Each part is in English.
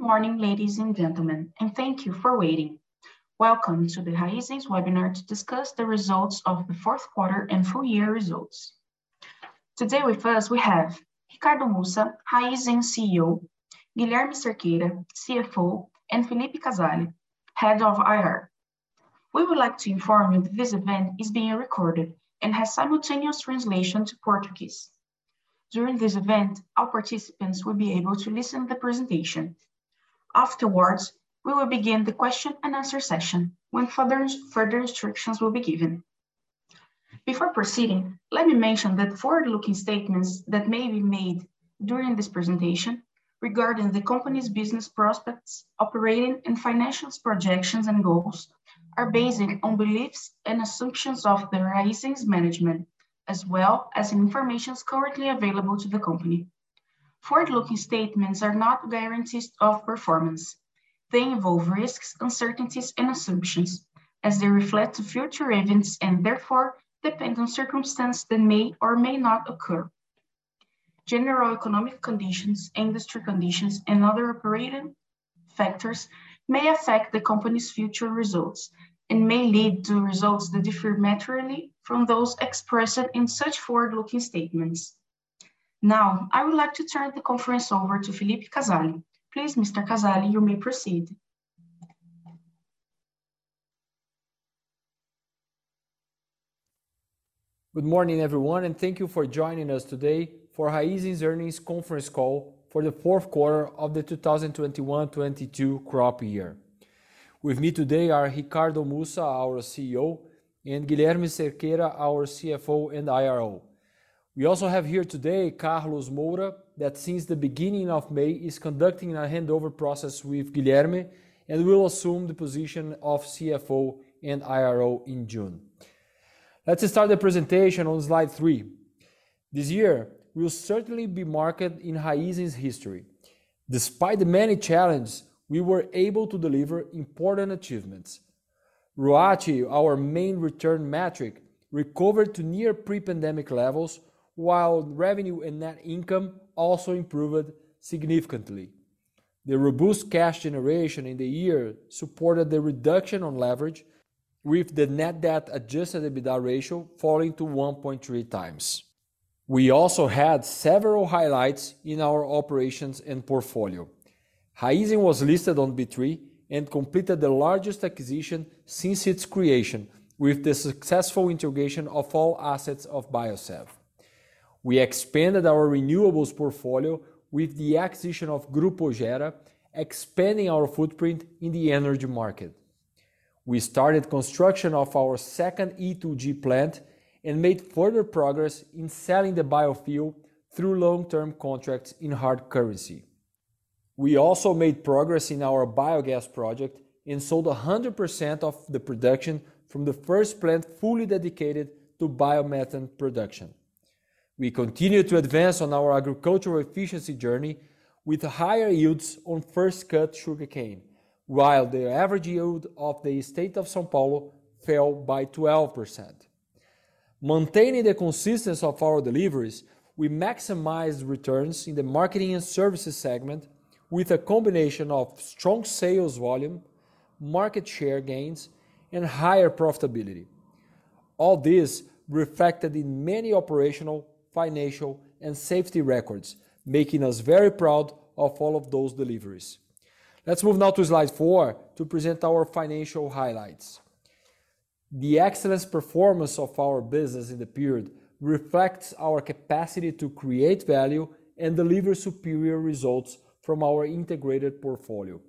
Good morning, ladies and gentlemen, and thank you for waiting. Welcome to the Raízen's webinar to discuss the results of the Fourth Quarter and full year results. Today with us we have Ricardo Mussa, Raízen CEO, Guilherme Cerqueira, CFO, and Felipe Casali, Head of IR. We would like to inform you that this event is being recorded and has simultaneous translation to Portuguese. During this event, our participants will be able to listen to the presentation. Afterwards, we will begin the question and answer session when further instructions will be given. Before proceeding, let me mention that forward-looking statements that may be made during this presentation regarding the company's business prospects, operating and financials projections and goals are based on beliefs and assumptions of the Raízen's management, as well as information currently available to the company. Forward-looking statements are not guarantees of performance. They involve risks, uncertainties, and assumptions as they reflect future events and therefore depend on circumstances that may or may not occur. General economic conditions, industry conditions, and other operating factors may affect the company's future results and may lead to results that differ materially from those expressed in such forward-looking statements. Now, I would like to turn the conference over to Felipe Casali. Please, Mr. Casali, you may proceed. Good morning, everyone, and thank you for joining us today for Raízen's Earnings Conference Call for the fourth quarter of the 2021/2022 crop year. With me today are Ricardo Mussa, our CEO, and Guilherme Cerqueira, our CFO and IRO. We also have here today Carlos Moura, that since the beginning of May, is conducting a handover process with Guilherme and will assume the position of CFO and IRO in June. Let's start the presentation on slide three. This year will certainly be marked in Raízen's history. Despite the many challenges, we were able to deliver important achievements. ROACE, our main return metric, recovered to near pre-pandemic levels, while revenue and net income also improved significantly. The robust cash generation in the year supported the reduction on leverage with the net debt adjusted EBITDA ratio falling to 1.3 times. We also had several highlights in our operations and portfolio. Raízen was listed on B3 and completed the largest acquisition since its creation with the successful integration of all assets of Biosev. We expanded our renewables portfolio with the acquisition of Grupo Gera, expanding our footprint in the energy market. We started construction of our second E2G plant and made further progress in selling the biofuel through long-term contracts in hard currency. We also made progress in our biogas project and sold 100% of the production from the first plant fully dedicated to biomethane production. We continue to advance on our agricultural efficiency journey with higher yields on first cut sugarcane, while the average yield of the state of São Paulo fell by 12%. Maintaining the consistency of our deliveries, we maximize returns in the marketing and services segment with a combination of strong sales volume, market share gains, and higher profitability. All this reflected in many operational, financial, and safety records, making us very proud of all of those deliveries. Let's move now to slide four to present our financial highlights. The excellent performance of our business in the period reflects our capacity to create value and deliver superior results from our integrated portfolio.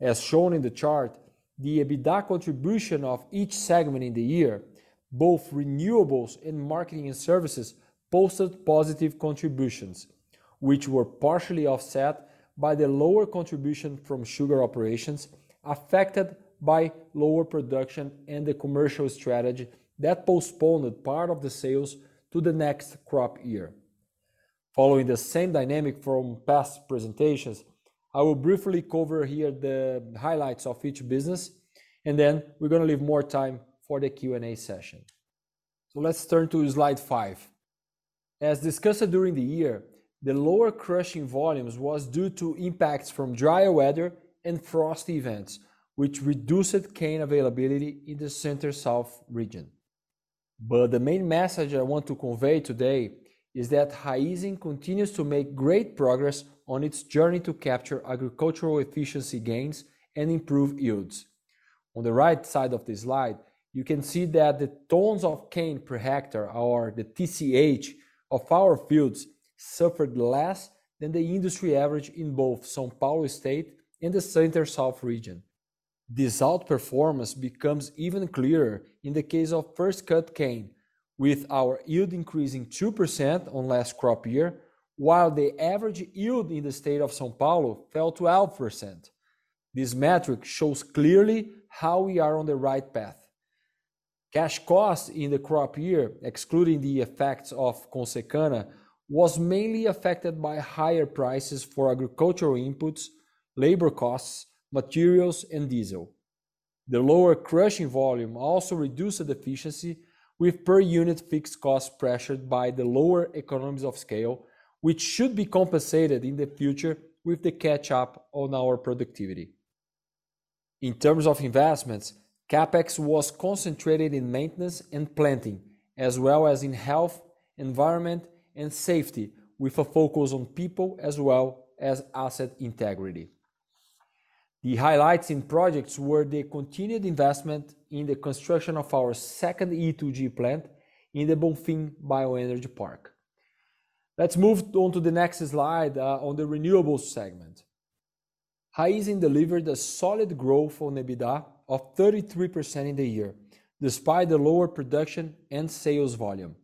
As shown in the chart, the EBITDA contribution of each segment in the year, both renewables and marketing and services, posted positive contributions, which were partially offset by the lower contribution from sugar operations affected by lower production and the commercial strategy that postponed part of the sales to the next crop year. Following the same dynamic from past presentations, I will briefly cover here the highlights of each business, and then we're gonna leave more time for the Q&A session. Let's turn to slide five. As discussed during the year, the lower crushing volumes was due to impacts from drier weather and frost events, which reduced cane availability in the center-south region. The main message I want to convey today is that Raízen continues to make great progress on its journey to capture agricultural efficiency gains and improve yields. On the right side of this slide, you can see that the tons of cane per hectare or the TCH of our fields suffered less than the industry average in both São Paulo State and the Center-South Region. This outperformance becomes even clearer in the case of first cut cane, with our yield increasing 2% on last crop year, while the average yield in the state of São Paulo fell 12%. This metric shows clearly how we are on the right path. Cash cost in the crop year, excluding the effects of Consecana, was mainly affected by higher prices for agricultural inputs, labor costs, materials, and diesel. The lower crushing volume also reduced the efficiency with per unit fixed cost pressured by the lower economies of scale, which should be compensated in the future with the catch-up on our productivity. In terms of investments, CapEx was concentrated in maintenance and planting, as well as in health, environment and safety, with a focus on people as well as asset integrity. The highlights in projects were the continued investment in the construction of our second E2G plant in the Bonfim Bioenergy Park. Let's move on to the next slide, on the renewables segment. Raízen delivered a solid growth on EBITDA of 33% in the year, despite the lower production and sales volume.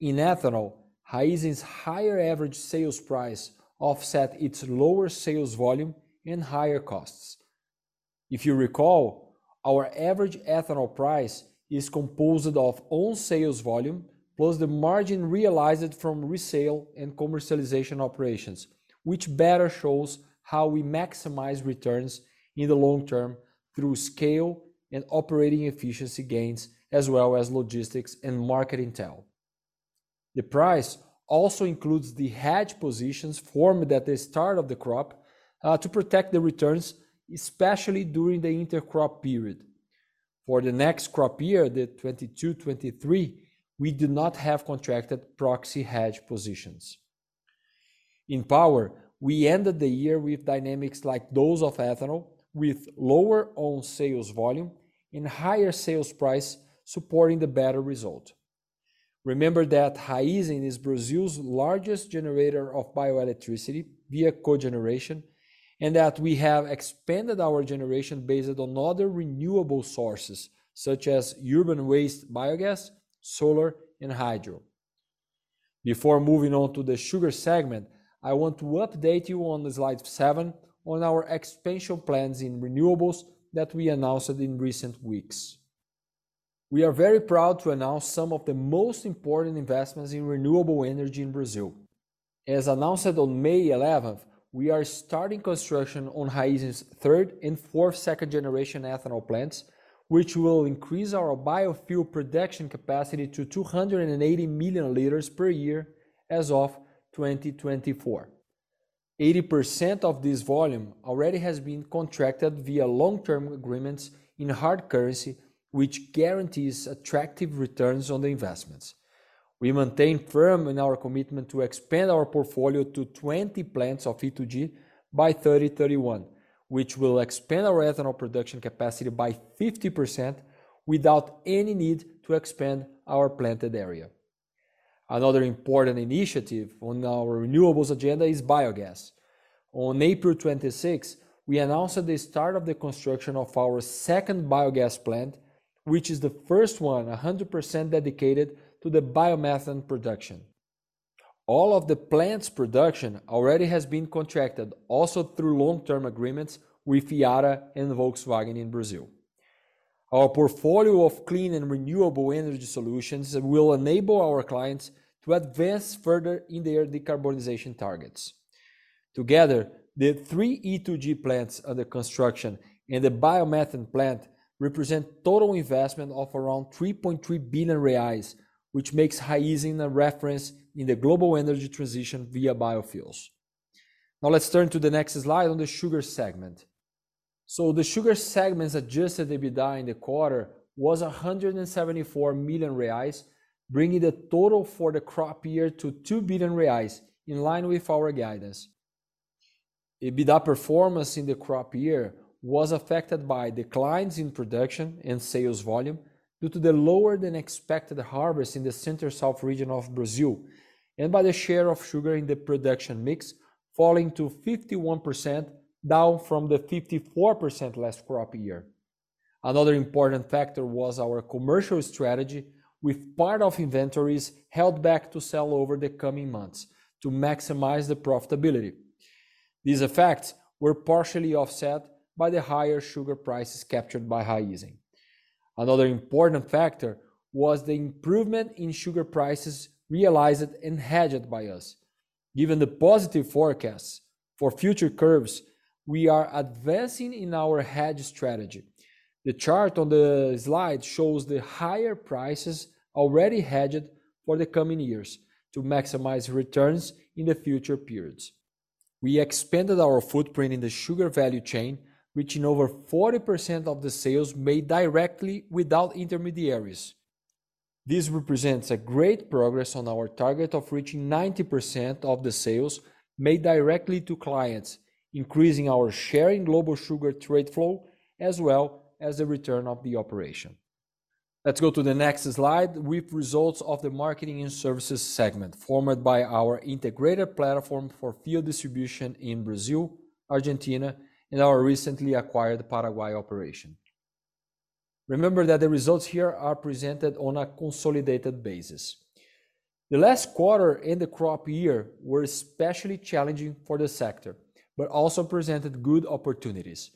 In ethanol, Raízen's higher average sales price offset its lower sales volume and higher costs. If you recall, our average ethanol price is composed of own sales volume plus the margin realized from resale and commercialization operations, which better shows how we maximize returns in the long-term through scale and operating efficiency gains as well as logistics and market intel. The price also includes the hedge positions formed at the start of the crop, to protect the returns, especially during the intercrop period. For the next crop year, 2022-2023, we do not have contracted proxy hedge positions. In power, we ended the year with dynamics like those of ethanol, with lower own sales volume and higher sales price supporting the better result. Remember that Raízen is Brazil's largest generator of bioelectricity via cogeneration, and that we have expanded our generation based on other renewable sources such as urban waste biogas, solar and hydro. Before moving on to the sugar segment, I want to update you on slide seven on our expansion plans in renewables that we announced in recent weeks. We are very proud to announce some of the most important investments in renewable energy in Brazil. As announced on May 11, we are starting construction on Raízen's third and fourth second-generation ethanol plants, which will increase our biofuel production capacity to 280 million liters per year as of 2024. 80% of this volume already has been contracted via long-term agreements in hard currency, which guarantees attractive returns on the investments. We maintain firm in our commitment to expand our portfolio to 20 plants of E2G by 2031, which will expand our ethanol production capacity by 50% without any need to expand our planted area. Another important initiative on our renewables agenda is biogas. On April 26, we announced the start of the construction of our second biogas plant, which is the first one 100% dedicated to the biomethane production. All of the plant's production already has been contracted also through long-term agreements with Yara and Volkswagen in Brazil. Our portfolio of clean and renewable energy solutions will enable our clients to advance further in their decarbonization targets. Together, the three E2G plants under construction and the biomethane plant represent total investment of around 3.3 billion reais, which makes Raízen a reference in the global energy transition via biofuels. Now let's turn to the next slide on the sugar segment. The sugar segment's adjusted EBITDA in the quarter was 174 million reais, bringing the total for the crop year to 2 billion reais, in line with our guidance. EBITDA performance in the crop year was affected by declines in production and sales volume due to the lower than expected harvest in the center south region of Brazil and by the share of sugar in the production mix falling to 51%, down from the 54% last crop year. Another important factor was our commercial strategy with part of inventories held back to sell over the coming months to maximize the profitability. These effects were partially offset by the higher sugar prices captured by Raízen. Another important factor was the improvement in sugar prices realized and hedged by us. Given the positive forecasts for future curves, we are advancing in our hedge strategy. The chart on the slide shows the higher prices already hedged for the coming years to maximize returns in the future periods. We expanded our footprint in the sugar value chain, reaching over 40% of the sales made directly without intermediaries. This represents a great progress on our target of reaching 90% of the sales made directly to clients, increasing our share in global sugar trade flow as well as the return of the operation. Let's go to the next slide with results of the marketing and services segment formed by our integrated platform for fuel distribution in Brazil, Argentina and our recently acquired Paraguay operation. Remember that the results here are presented on a consolidated basis. The last quarter in the crop year were especially challenging for the sector, but also presented good opportunities.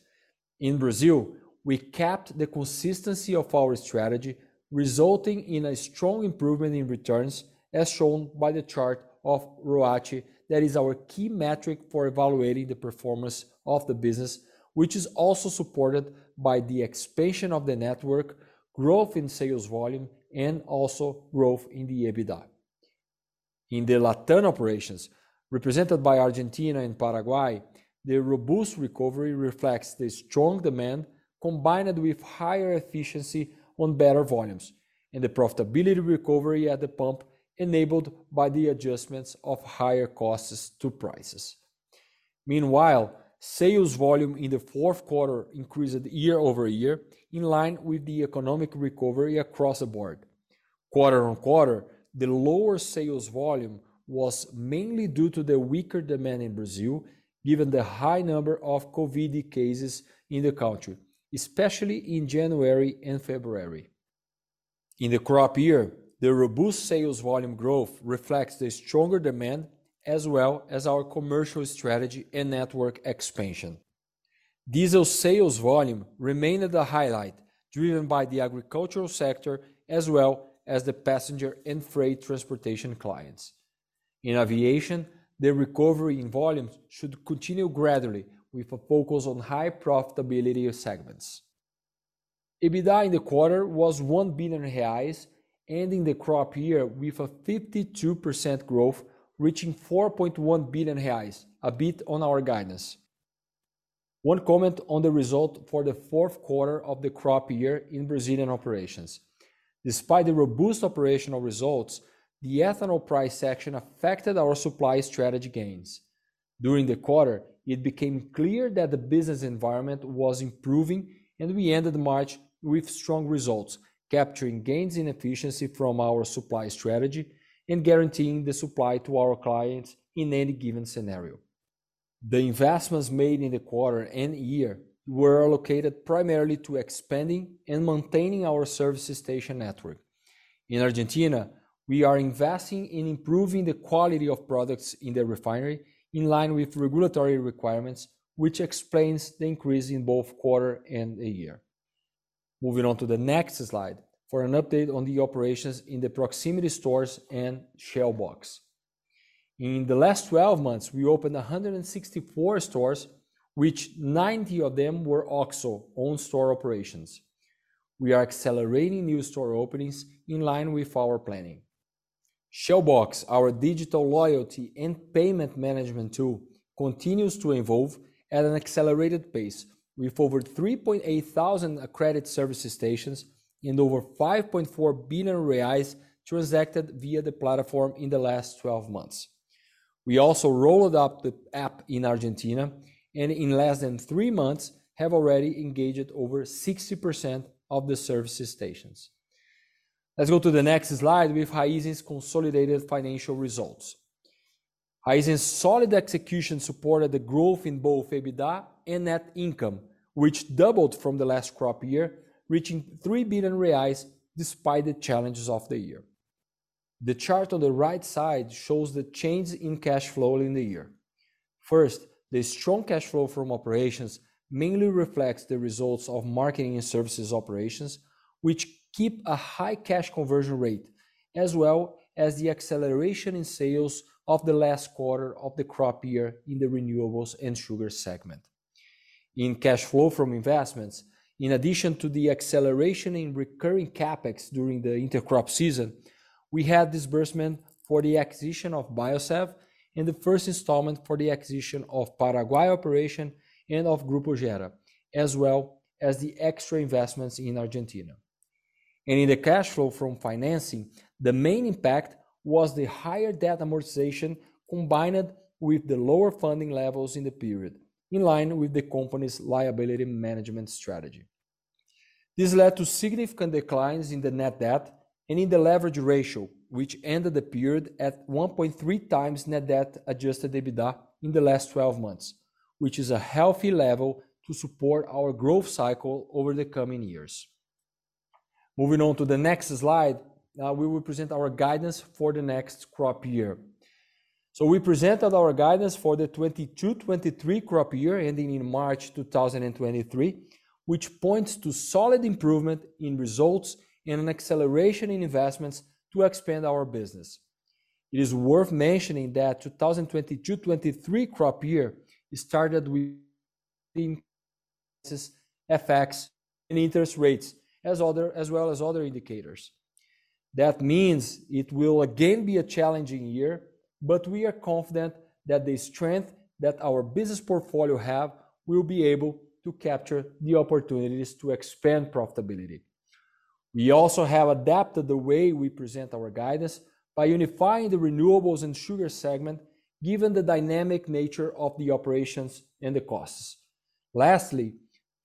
In Brazil, we kept the consistency of our strategy, resulting in a strong improvement in returns, as shown by the chart of ROACE. That is our key metric for evaluating the performance of the business, which is also supported by the expansion of the network, growth in sales volume, and also growth in the EBITDA. In the LATAM operations, represented by Argentina and Paraguay, the robust recovery reflects the strong demand combined with higher efficiency on better volumes and the profitability recovery at the pump enabled by the adjustments of higher costs to prices. Meanwhile, sales volume in the fourth quarter increased year-over-year in line with the economic recovery across the board. Quarter-over-quarter, the lower sales volume was mainly due to the weaker demand in Brazil, given the high number of COVID cases in the country, especially in January and February. In the crop year, the robust sales volume growth reflects the stronger demand, as well as our commercial strategy and network expansion. Diesel sales volume remained a highlight driven by the agricultural sector as well as the passenger and freight transportation clients. In aviation, the recovery in volumes should continue gradually with a focus on high profitability segments. EBITDA in the quarter was 1 billion reais, ending the crop year with a 52% growth, reaching 4.1 billion reais, a bit above our guidance. One comment on the result for the fourth quarter of the crop year in Brazilian operations. Despite the robust operational results, the ethanol price action affected our supply strategy gains. During the quarter, it became clear that the business environment was improving and we ended March with strong results, capturing gains in efficiency from our supply strategy and guaranteeing the supply to our clients in any given scenario. The investments made in the quarter and year were allocated primarily to expanding and maintaining our service station network. In Argentina, we are investing in improving the quality of products in the refinery in line with regulatory requirements, which explains the increase in both quarter and the year. Moving on to the next slide for an update on the operations in the proximity stores and Shell Box. In the last 12 months, we opened 164 stores, which 90 of them were OSO, own store operations. We are accelerating new store openings in line with our planning. Shell Box, our digital loyalty and payment management tool, continues to evolve at an accelerated pace with over 3.8 thousand accredited service stations and over 5.4 billion reais transacted via the platform in the last 12 months. We also rolled out the app in Argentina, and in less than three months have already engaged over 60% of the service stations. Let's go to the next slide with Raízen's consolidated financial results. Raízen's solid execution supported the growth in both EBITDA and net income, which doubled from the last crop year, reaching 3 billion reais despite the challenges of the year. The chart on the right side shows the change in cash flow in the year. First, the strong cash flow from operations mainly reflects the results of marketing and services operations, which keep a high cash conversion rate, as well as the acceleration in sales of the last quarter of the crop year in the renewables and sugar segment. In cash flow from investments, in addition to the acceleration in recurring CapEx during the inter-crop season, we had disbursement for the acquisition of Biosev and the first installment for the acquisition of Paraguay operation and of Grupo Gera, as well as the extra investments in Argentina. In the cash flow from financing, the main impact was the higher debt amortization combined with the lower funding levels in the period, in line with the company's liability management strategy. This led to significant declines in the net debt and in the leverage ratio, which ended the period at 1.3 times net debt adjusted EBITDA in the last 12 months, which is a healthy level to support our growth cycle over the coming years. Moving on to the next slide, now we will present our guidance for the next crop year. We presented our guidance for the 2022-2023 crop year, ending in March 2023, which points to solid improvement in results and an acceleration in investments to expand our business. It is worth mentioning that 2022-2023 crop year started with the effects of interest rates as well as other indicators. That means it will again be a challenging year, but we are confident that the strength that our business portfolio have will be able to capture the opportunities to expand profitability. We also have adapted the way we present our guidance by unifying the renewables and sugar segment given the dynamic nature of the operations and the costs. Lastly,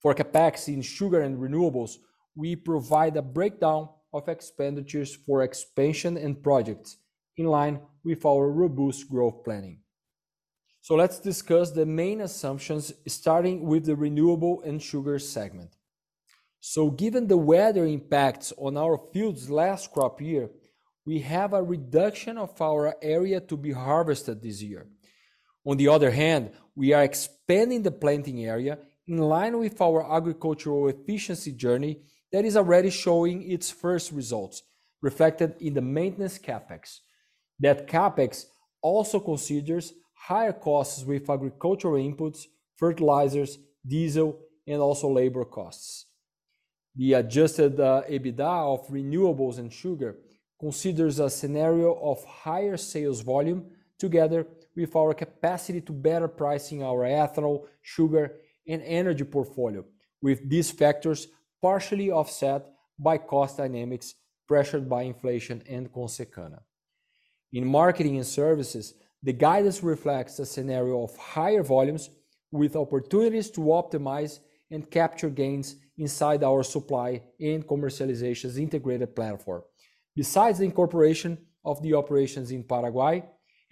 for CapEx in sugar and renewables, we provide a breakdown of expenditures for expansion and projects in line with our robust growth planning. Let's discuss the main assumptions starting with the renewable and sugar segment. Given the weather impacts on our fields last crop year, we have a reduction of our area to be harvested this year. On the other hand, we are expanding the planting area in line with our agricultural efficiency journey that is already showing its first results reflected in the maintenance CapEx. That CapEx also considers higher costs with agricultural inputs, fertilizers, diesel, and also labor costs. The adjusted EBITDA of renewables and sugar considers a scenario of higher sales volume together with our capacity to better pricing our ethanol, sugar, and energy portfolio, with these factors partially offset by cost dynamics pressured by inflation and Consecana. In marketing and services, the guidance reflects a scenario of higher volumes with opportunities to optimize and capture gains inside our supply and commercialization's integrated platform, besides the incorporation of the operations in Paraguay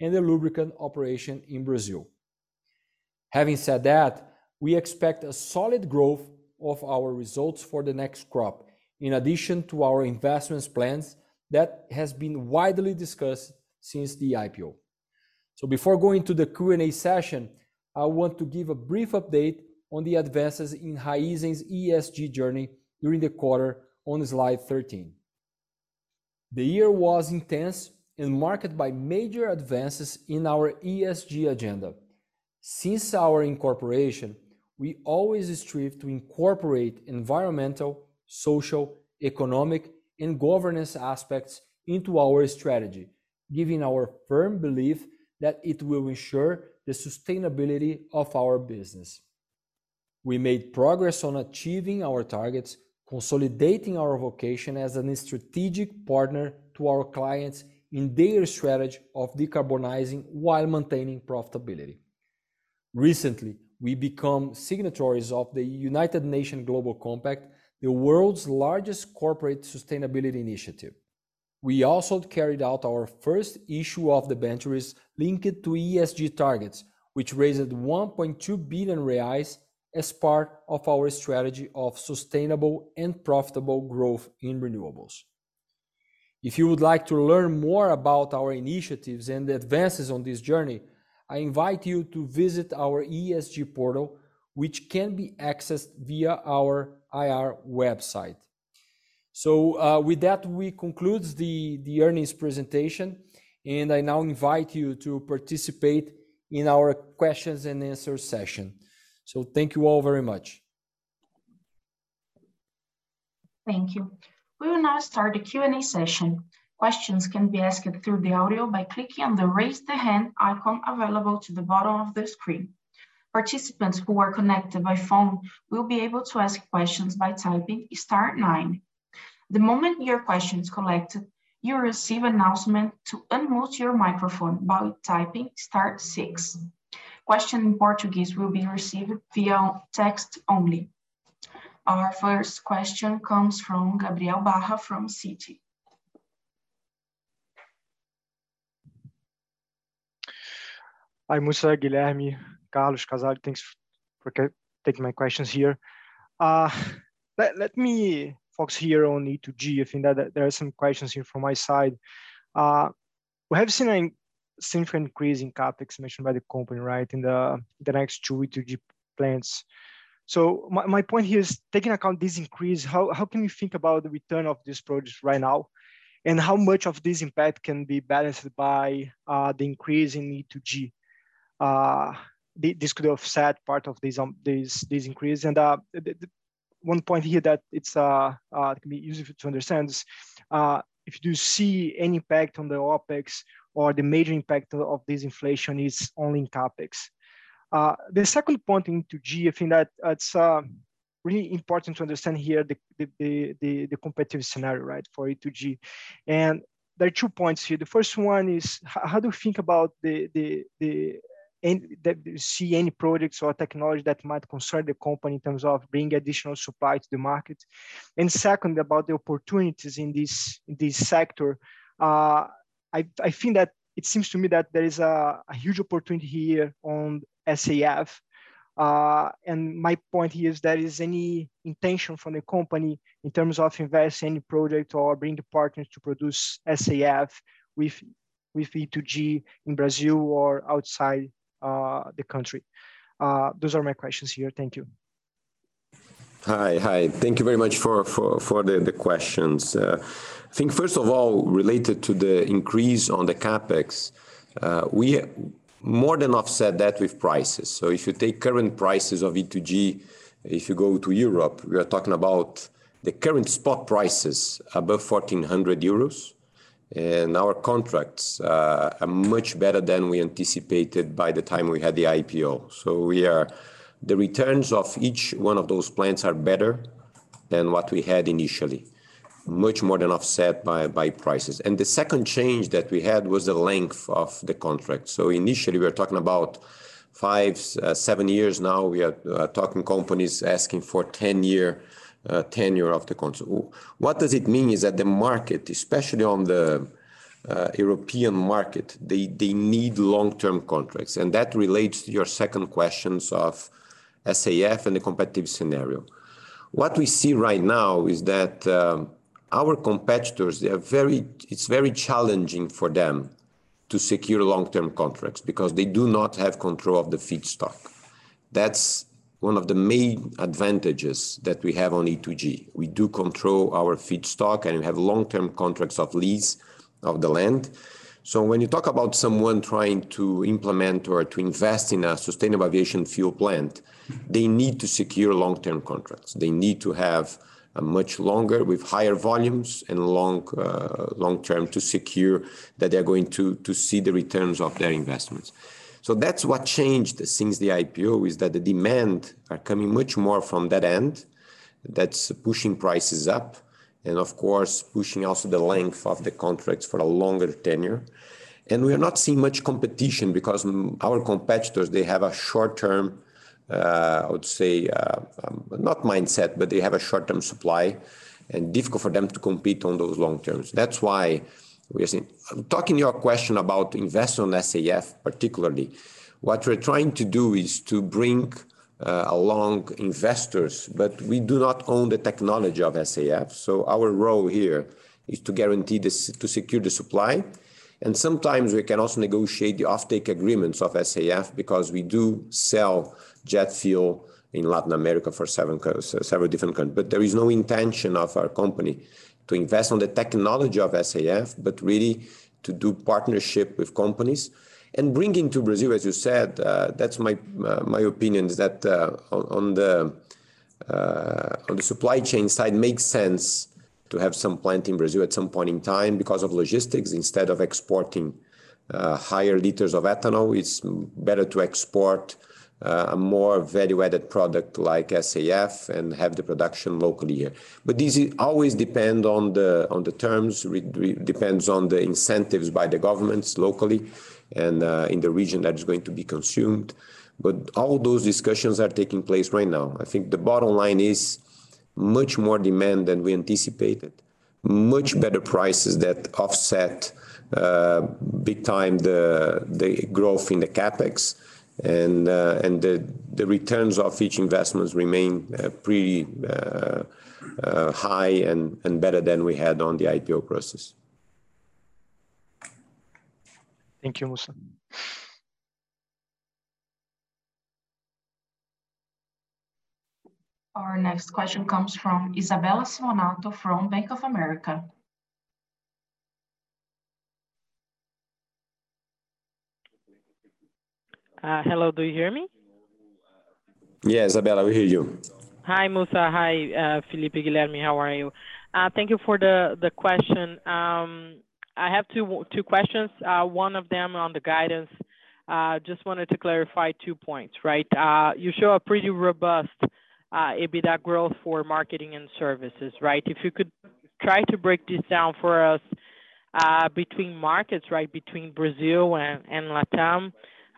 and the lubricant operation in Brazil. Having said that, we expect a solid growth of our results for the next crop, in addition to our investments plans that has been widely discussed since the IPO. Before going to the Q&A session, I want to give a brief update on the advances in Raízen's ESG journey during the quarter on slide 13. The year was intense and marked by major advances in our ESG agenda. Since our incorporation, we always strive to incorporate environmental, social, economic, and governance aspects into our strategy, giving our firm belief that it will ensure the sustainability of our business. We made progress on achieving our targets, consolidating our vocation as an strategic partner to our clients in their strategy of decarbonizing while maintaining profitability. Recently, we become signatories of the United Nations Global Compact, the world's largest corporate sustainability initiative. We also carried out our first issue of debentures linked to ESG targets, which raised 1.2 billion reais as part of our strategy of sustainable and profitable growth in renewables. If you would like to learn more about our initiatives and advances on this journey, I invite you to visit our ESG portal, which can be accessed via our IR website. With that, we concludes the earnings presentation, and I now invite you to participate in our questions and answer session. Thank you all very much. Thank you. We will now start the Q&A session. Questions can be asked through the audio by clicking on the Raise Hand icon available at the bottom of the screen. Participants who are connected by phone will be able to ask questions by typing star nine. The moment your question is collected, you will receive announcement to unmute your microphone by typing star six. Questions in Portuguese will be received via text only. Our first question comes from Gabriel Barra from Citi. Hi, Ricardo Mussa, Guilherme Cerqueira, Carlos Moura, Felipe Casali. Thanks for taking my questions here. Let me focus here on E2G. I think that there are some questions here from my side. We have seen a significant increase in CapEx mentioned by the company, right, in the next two E2G plants. My point here is taking into account this increase, how can you think about the return of this project right now? And how much of this impact can be balanced by the increase in E2G? This could offset part of this increase. The one point here that it can be useful to understand is if you do see any impact on the OpEx or the major impact of this inflation is only in CapEx. The second point in E2G, I think that it's really important to understand here the competitive scenario, right, for E2G. There are two points here. The first one is how do you think about, and do you see any products or technology that might concern the company in terms of bringing additional supply to the market? Second, about the opportunities in this sector, I think that it seems to me that there is a huge opportunity here on SAF. My point here is there any intention from the company in terms of investing in a project or bringing partners to produce SAF with E2G in Brazil or outside the country? Those are my questions here. Thank you. Hi. Thank you very much for the questions. I think first of all, related to the increase on the CapEx, we more than offset that with prices. If you take current prices of E2G, if you go to Europe, we are talking about the current spot prices above 1,400 euros, and our contracts are much better than we anticipated by the time we had the IPO. The returns of each one of those plants are better than what we had initially, much more than offset by prices. The second change that we had was the length of the contract. Initially, we were talking about five to seven years. Now we are talking companies asking for 10-year tenure of the contract. What does it mean is that the market, especially on the- European market, they need long-term contracts, and that relates to your second question on SAF and the competitive scenario. What we see right now is that our competitors, it's very challenging for them to secure long-term contracts because they do not have control of the feedstock. That's one of the main advantages that we have on E2G. We do control our feedstock, and we have long-term contracts of lease of the land. When you talk about someone trying to implement or to invest in a sustainable aviation fuel plant, they need to secure long-term contracts. They need to have a much longer with higher volumes and long-term to secure that they're going to see the returns of their investments. That's what changed since the IPO, is that the demand are coming much more from that end that's pushing prices up and of course pushing also the length of the contracts for a longer tenure. We are not seeing much competition because our competitors, they have a short-term, I would say, not mindset, but they have a short-term supply and difficult for them to compete on those long-terms. That's why we are seeing. Turning to your question about investment in SAF particularly, what we're trying to do is to bring along investors, but we do not own the technology of SAF, so our role here is to guarantee to secure the supply. Sometimes we can also negotiate the offtake agreements of SAF because we do sell jet fuel in Latin America for several different countries. There is no intention of our company to invest on the technology of SAF, but really to do partnership with companies. Bringing to Brazil, as you said, that's my opinion is that on the supply chain side, makes sense to have some plant in Brazil at some point in time because of logistics. Instead of exporting higher liters of ethanol, it's better to export a more value-added product like SAF and have the production locally here. This always depend on the terms, depends on the incentives by the governments locally and in the region that is going to be consumed. All those discussions are taking place right now. I think the bottom line is much more demand than we anticipated, much better prices that offset big time the growth in the CapEx and the returns of each investments remain pretty high and better than we had on the IPO process. Thank you, Ricardo Mussa. Our next question comes from Isabella Simonato from Bank of America. Hello, do you hear me? Yeah, Isabella, we hear you. Hi, Ricardo Mussa. Hi, Felipe Casali, Guilherme Cerqueira. How are you? Thank you for the question. I have two questions, one of them on the guidance. Just wanted to clarify two points, right? You show a pretty robust EBITDA growth for marketing and services, right? If you could try to break this down for us, between markets, right, between Brazil and LATAM,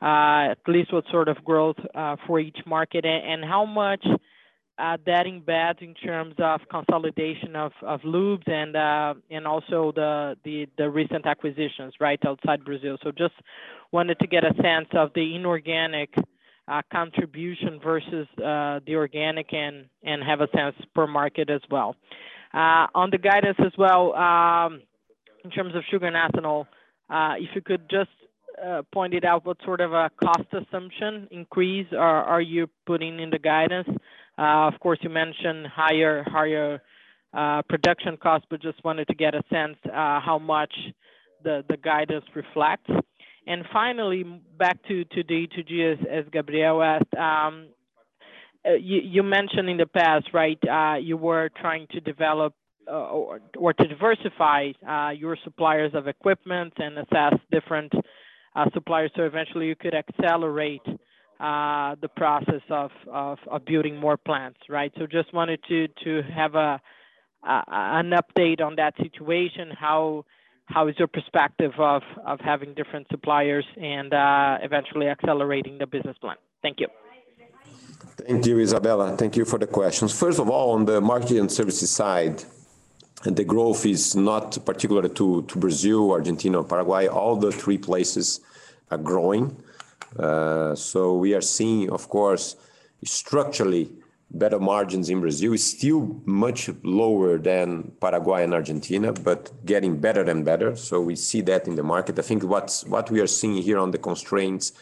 at least what sort of growth for each market and how much that embeds in terms of consolidation of lubes and also the recent acquisitions, right, outside Brazil. Just wanted to get a sense of the inorganic contribution versus the organic and have a sense per market as well. On the guidance as well, in terms of sugar and ethanol, if you could just point out what sort of a cost assumption increase are you putting in the guidance. Of course, you mentioned higher production cost, but just wanted to get a sense how much the guidance reflects. Finally, back to E2G, as Gabriel asked, you mentioned in the past, right, you were trying to develop or to diversify your suppliers of equipment and assess different suppliers, so eventually you could accelerate the process of building more plants, right? Just wanted to have an update on that situation. How is your perspective of having different suppliers and eventually accelerating the business plan? Thank you. Thank you, Isabella. Thank you for the questions. First of all, on the marketing and services side, the growth is not particular to Brazil, Argentina, or Paraguay. All the three places are growing. We are seeing, of course, structurally better margins in Brazil. It's still much lower than Paraguay and Argentina, but getting better and better, so we see that in the market. I think what we are seeing here on the constraints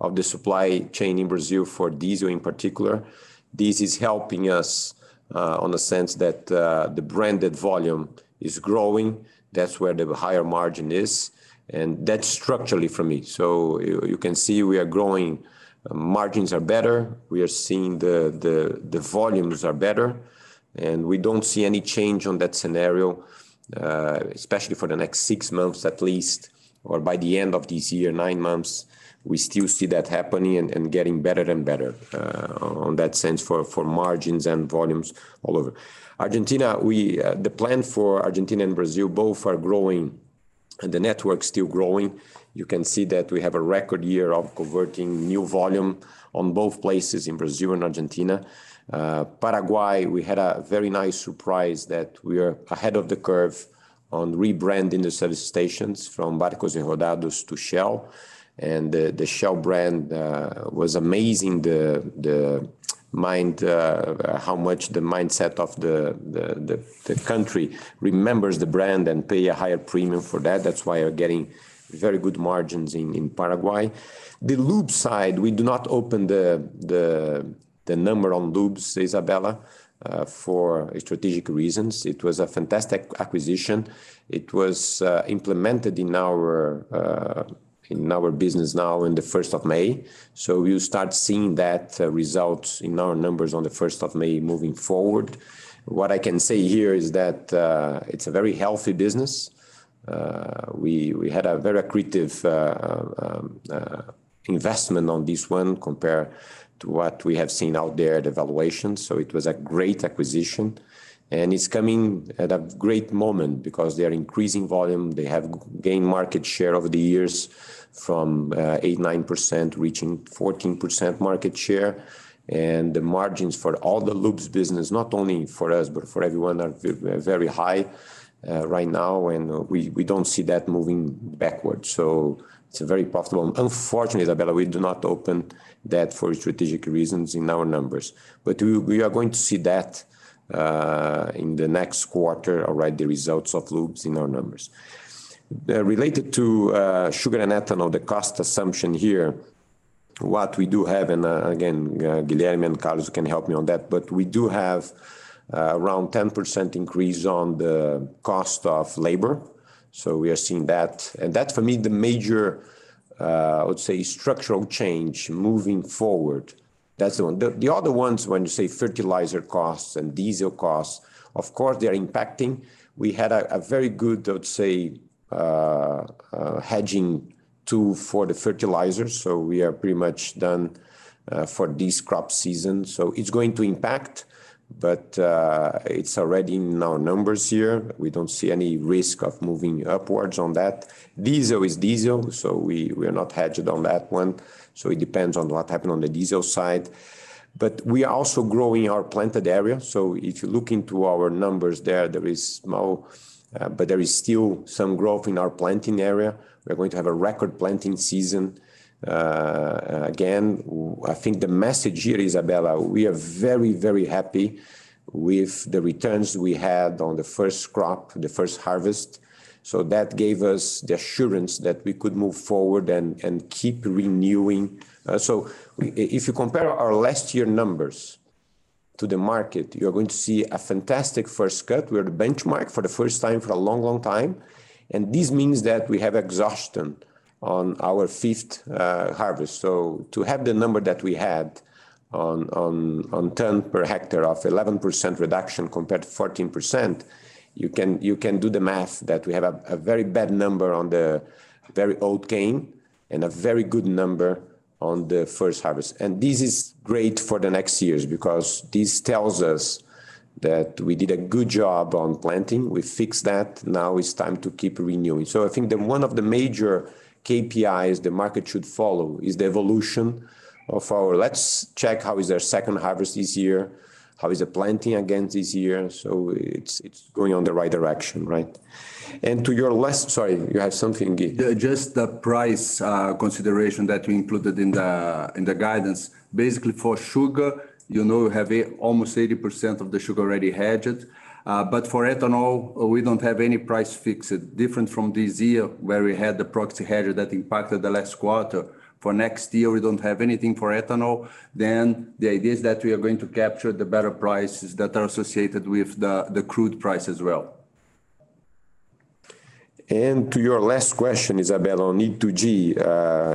of the supply chain in Brazil for diesel in particular, this is helping us, in the sense that the branded volume is growing. That's where the higher margin is, and that's structurally for me. You can see we are growing. Margins are better. We are seeing the volumes are better, and we don't see any change in that scenario, especially for the next six months at least, or by the end of this year, nine months. We still see that happening and getting better and better, in that sense for margins and volumes all over. Argentina, the plan for Argentina and Brazil both are growing. The network's still growing. You can see that we have a record year of converting new volume in both places in Brazil and Argentina. Paraguay, we had a very nice surprise that we are ahead of the curve on rebranding the service stations from Barcos & Rodados to Shell. The Shell brand was amazing, how much the mindset of the country remembers the brand and pay a higher premium for that. That's why we're getting very good margins in Paraguay. The Lubes side, we do not open the number on Lubes, Isabella, for strategic reasons. It was a fantastic acquisition. It was implemented in our business now in the first of May. You start seeing that result in our numbers on the first of May moving forward. What I can say here is that it's a very healthy business. We had a very accretive investment on this one compared to what we have seen out there at valuation, so it was a great acquisition. It's coming at a great moment because they are increasing volume, they have gained market share over the years from 8%-9% reaching 14% market share. The margins for all the Lubes business, not only for us, but for everyone are very high right now, and we don't see that moving backwards. It's very profitable. Unfortunately, Isabella, we do not open that for strategic reasons in our numbers. We are going to see that in the next quarter, all right, the results of Lubes in our numbers. Related to sugar and ethanol, the cost assumption here, what we do have, and again, Guilherme and Carlos can help me on that, but we do have around 10% increase on the cost of labor. We are seeing that. That for me, the major, I would say structural change moving forward, that's the one. The other ones when you say fertilizer costs and diesel costs, of course, they're impacting. We had a very good, I would say, hedging tool for the fertilizers, so we are pretty much done for this crop season. It's going to impact, but it's already in our numbers here. We don't see any risk of moving upwards on that. Diesel is diesel, so we are not hedged on that one, so it depends on what happen on the diesel side. We are also growing our planted area. If you look into our numbers there, but there is still some growth in our planting area. We're going to have a record planting season. I think the message here, Isabella, we are very, very happy with the returns we had on the first crop, the first harvest, so that gave us the assurance that we could move forward and keep renewing. If you compare our last year numbers to the market, you're going to see a fantastic first cut. We are the benchmark for the first time for a long, long time, and this means that we have exhaustion on our fifth harvest. To have the number that we had on ton per hectare of 11% reduction compared to 14%, you can do the math that we have a very bad number on the very old cane and a very good number on the first harvest. This is great for the next years because this tells us that we did a good job on planting. We fixed that. Now it's time to keep renewing. I think one of the major KPIs the market should follow is the evolution of our let's check how is our second harvest this year, how is the planting against this year. It's going on the right direction, right? To your last. Sorry, you have something, Gui? Just the price consideration that we included in the guidance. Basically, for sugar, you know we have almost 80% of the sugar already hedged. But for ethanol, we don't have any price fixed different from this year where we had the proxy hedge that impacted the last quarter. For next year, we don't have anything for ethanol. The idea is that we are going to capture the better prices that are associated with the crude price as well. To your last question, Isabella, on E2G,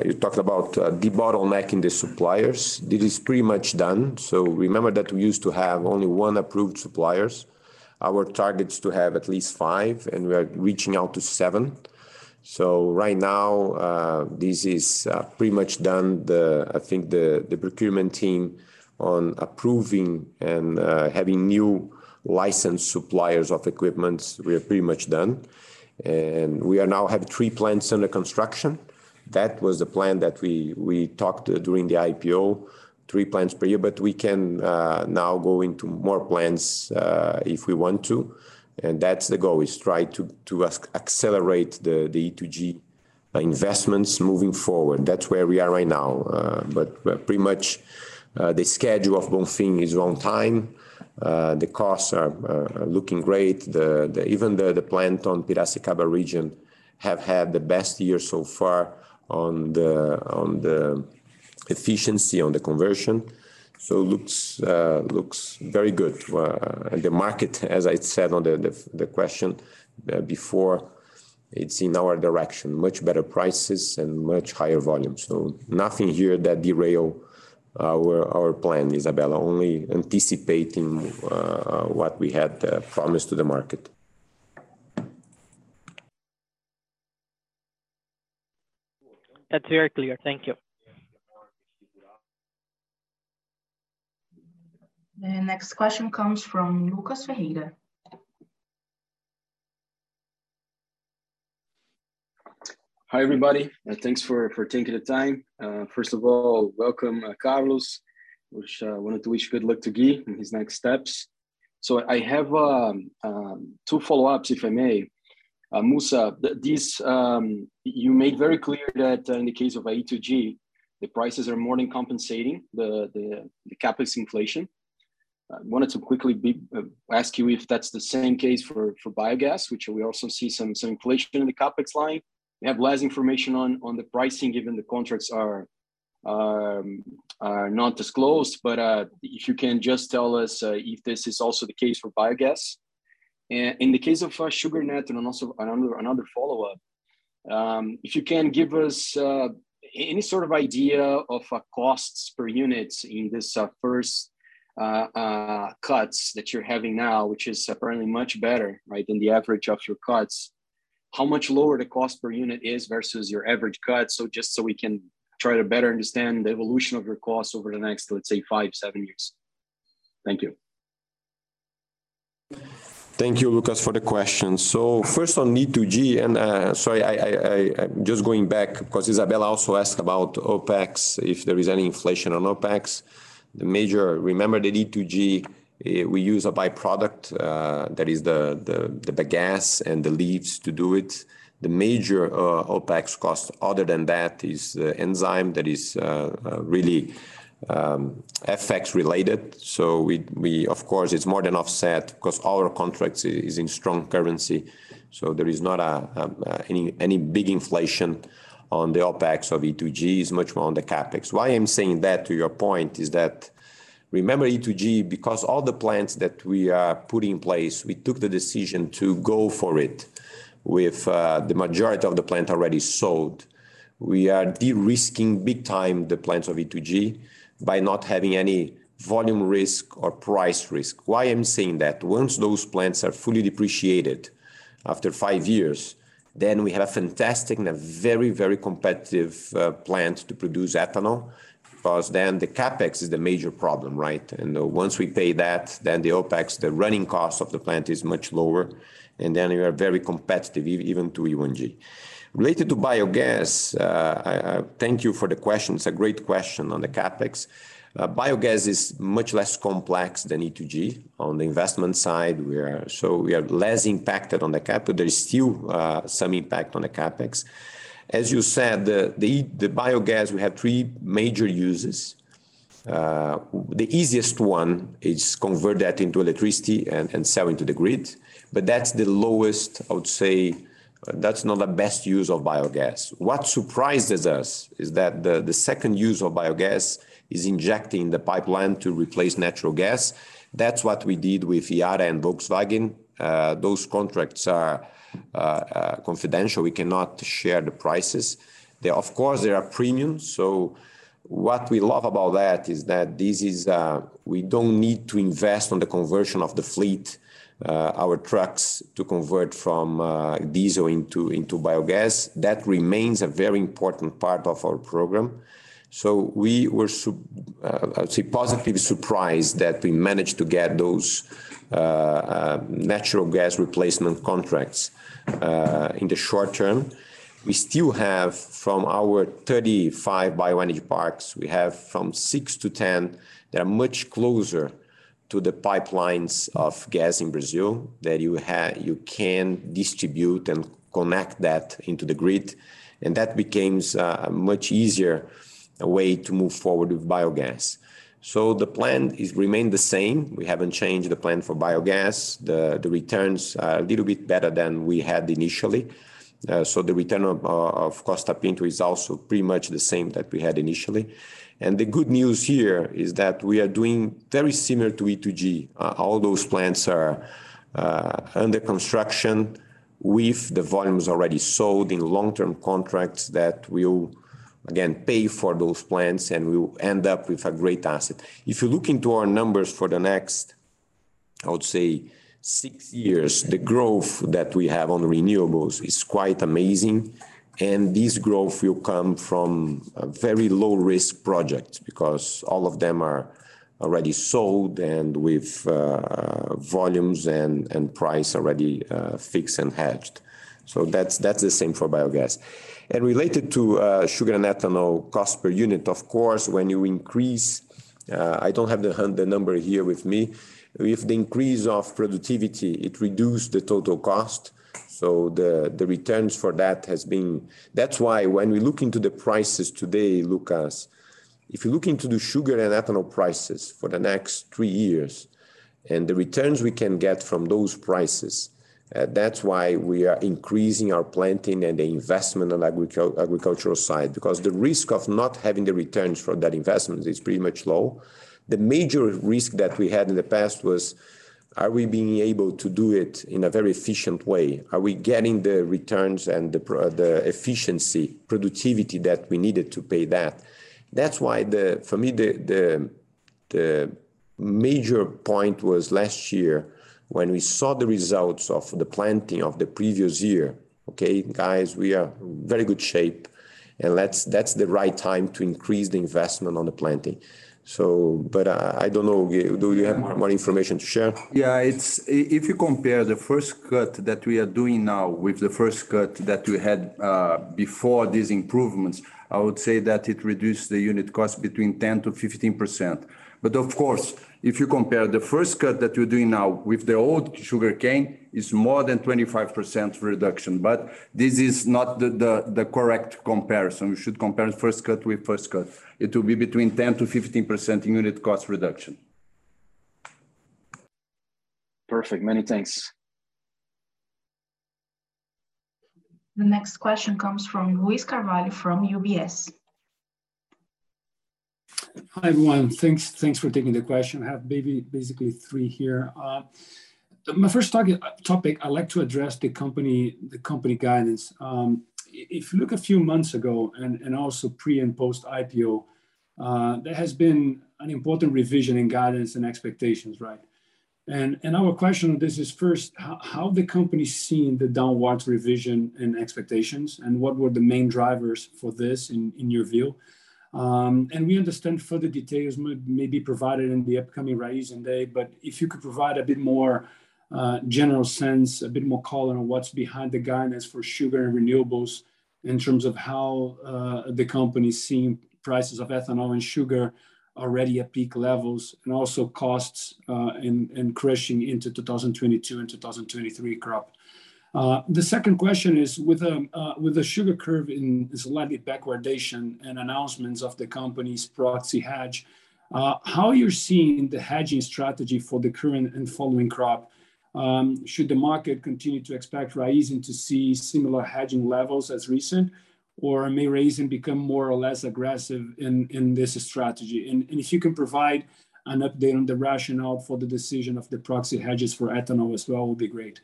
you talked about debottlenecking the suppliers. It is pretty much done. Remember that we used to have only one approved suppliers. Our target is to have at least five, and we are reaching out to seven. Right now, this is pretty much done. The, I think the procurement team on approving and having new licensed suppliers of equipments, we are pretty much done. We are now have three plants under construction. That was the plan that we talked during the IPO, three plants per year. We can now go into more plants, if we want to, and that's the goal is try to accelerate the E2G investments moving forward. That's where we are right now. We're pretty much the schedule of Bonfim is on time. The costs are looking great. Even the plant on Piracicaba region have had the best year so far on the efficiency, on the conversion. Looks very good. The market, as I said on the question before, it's in our direction, much better prices and much higher volumes. Nothing here that derail our plan, Isabella, only anticipating what we had promised to the market. That's very clear. Thank you. The next question comes from Lucas Ferreira. Hi, everybody. Thanks for taking the time. First of all, welcome Carlos Moura. We wanted to wish good luck to Guilherme Cerqueira in his next steps. I have two follow-ups, if I may. Ricardo Mussa, this you made very clear that in the case of E2G, the prices are more than compensating the CapEx inflation. I wanted to quickly ask you if that's the same case for biogas, which we also see some inflation in the CapEx line. We have less information on the pricing, given the contracts are not disclosed. If you can just tell us if this is also the case for biogas. In the case of sugar and ethanol, and also another follow-up, if you can give us any sort of idea of costs per unit in this first cuts that you're having now, which is apparently much better, right, than the average of your cuts. How much lower the cost per unit is versus your average cut, so just so we can try to better understand the evolution of your costs over the next, let's say, five to seven years. Thank you. Thank you, Lucas, for the question. First on E2G, sorry, I'm just going back because Isabella also asked about OpEx, if there is any inflation on OpEx. Remember that E2G, we use a by-product that is the bagasse and the leaves to do it. The major OpEx cost other than that is the enzyme that is really FX related. Of course, it's more than offset because our contract is in strong currency, so there is not any big inflation on the OpEx of E2G. It's much more on the CapEx. Why I'm saying that, to your point, is that remember E2G, because all the plants that we are putting in place, we took the decision to go for it with the majority of the plant already sold. We are de-risking big time the plants of E2G by not having any volume risk or price risk. Why I'm saying that, once those plants are fully depreciated after five years, then we have a fantastic and a very, very competitive plant to produce ethanol, because then the CapEx is the major problem, right? Once we pay that, then the OpEx, the running cost of the plant is much lower, and then we are very competitive even to E1G. Related to biogas, thank you for the question. It's a great question on the CapEx. Biogas is much less complex than E2G. On the investment side, we are less impacted on the capital. There is still some impact on the CapEx. As you said, the biogas, we have three major uses. The easiest one is convert that into electricity and sell into the grid, but that's the lowest, I would say. That's not the best use of biogas. What surprises us is that the second use of biogas is injecting into the pipeline to replace natural gas. That's what we did with Yara and Volkswagen. Those contracts are confidential. We cannot share the prices. There are, of course, premiums. What we love about that is that this is, we don't need to invest on the conversion of the fleet, our trucks, to convert from diesel into biogas. That remains a very important part of our program. We were, I would say, positively surprised that we managed to get those natural gas replacement contracts in the short-term. We still have, from our 35 bioenergy parks, we have from six to 10 that are much closer to the pipelines of gas in Brazil that you can distribute and connect that into the grid, and that becomes a much easier way to move forward with biogas. The plan is remain the same. We haven't changed the plan for biogas. The returns are a little bit better than we had initially. The return of Costa Pinto is also pretty much the same that we had initially. The good news here is that we are doing very similar to E2G. All those plants are under construction with the volumes already sold in long-term contracts that will, again, pay for those plants, and we will end up with a great asset. If you look into our numbers for the next, I would say, six years, the growth that we have on renewables is quite amazing, and this growth will come from very low-risk projects because all of them are already sold and with volumes and price already fixed and hedged. That's the same for biogas. Related to sugar and ethanol cost per unit, of course, when you increase, I don't have the number here with me. With the increase of productivity, it reduced the total cost, so the returns for that has been. That's why when we look into the prices today, Lucas, if you look into the sugar and ethanol prices for the next three years and the returns we can get from those prices, that's why we are increasing our planting and the investment on agricultural side because the risk of not having the returns for that investment is pretty much low. The major risk that we had in the past was, are we being able to do it in a very efficient way? Are we getting the returns and the efficiency, productivity that we needed to pay that? That's why, for me, the major point was last year when we saw the results of the planting of the previous year. Okay, guys, we are very good shape and that's the right time to increase the investment on the planting. I don't know, Guilherme, do you have more information to share? If you compare the first cut that we are doing now with the first cut that we had before these improvements, I would say that it reduced the unit cost between 10%-15%. Of course, if you compare the first cut that we're doing now with the old sugarcane, it's more than 25% reduction. This is not the correct comparison. We should compare first cut with first cut. It will be between 10%-15% in unit cost reduction. Perfect. Many thanks. The next question comes from Luiz Carvalho from UBS. Hi, everyone. Thanks for taking the question. I have basically three here. My first topic, I'd like to address the company guidance. If you look a few months ago and also pre and post IPO, there has been an important revision in guidance and expectations, right? Our question on this is first, how the company seen the downward revision in expectations, and what were the main drivers for this in your view? We understand further details may be provided in the upcoming Raízen Day, but if you could provide a bit more general sense, a bit more color on what's behind the guidance for sugar and renewables in terms of how the company's seeing prices of ethanol and sugar already at peak levels and also costs in crushing into 2022 and 2023 crop. The second question is with the sugar curve in slightly backwardation and announcements of the company's proxy hedge, how you're seeing the hedging strategy for the current and following crop. Should the market continue to expect Raízen to see similar hedging levels as recent, or may Raízen become more or less aggressive in this strategy? If you can provide an update on the rationale for the decision of the proxy hedges for ethanol as well would be great.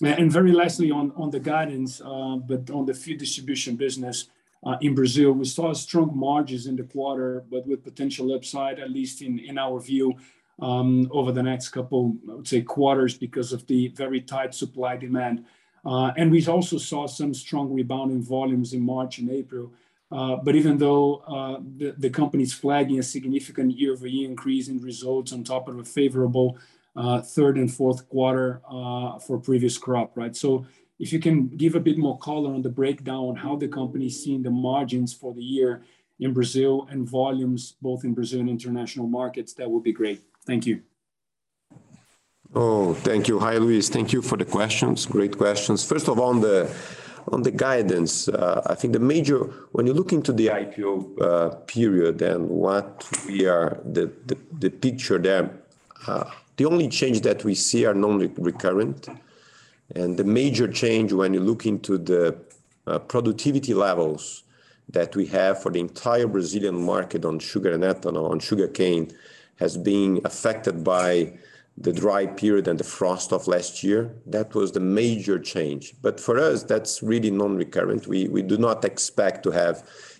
Very lastly on the guidance, but on the food distribution business in Brazil, we saw strong margins in the quarter, but with potential upside, at least in our view, over the next couple, I would say, quarters because of the very tight supply demand. We also saw some strong rebound in volumes in March and April. Even though the company's flagging a significant year-over-year increase in results on top of a favorable third and fourth quarter for previous crop, right? If you can give a bit more color on the breakdown on how the company's seeing the margins for the year in Brazil and volumes both in Brazil and international markets, that would be great? Thank you. Oh, thank you. Hi, Luiz. Thank you for the questions. Great questions. First of all, on the guidance, I think when you look into the IPO period and what we are, the picture there, the only change that we see are non-recurrent. The major change when you look into the productivity levels that we have for the entire Brazilian market on sugar and ethanol and sugarcane has been affected by the dry period and the frost of last year. That was the major change. For us, that's really non-recurrent. We do not expect to have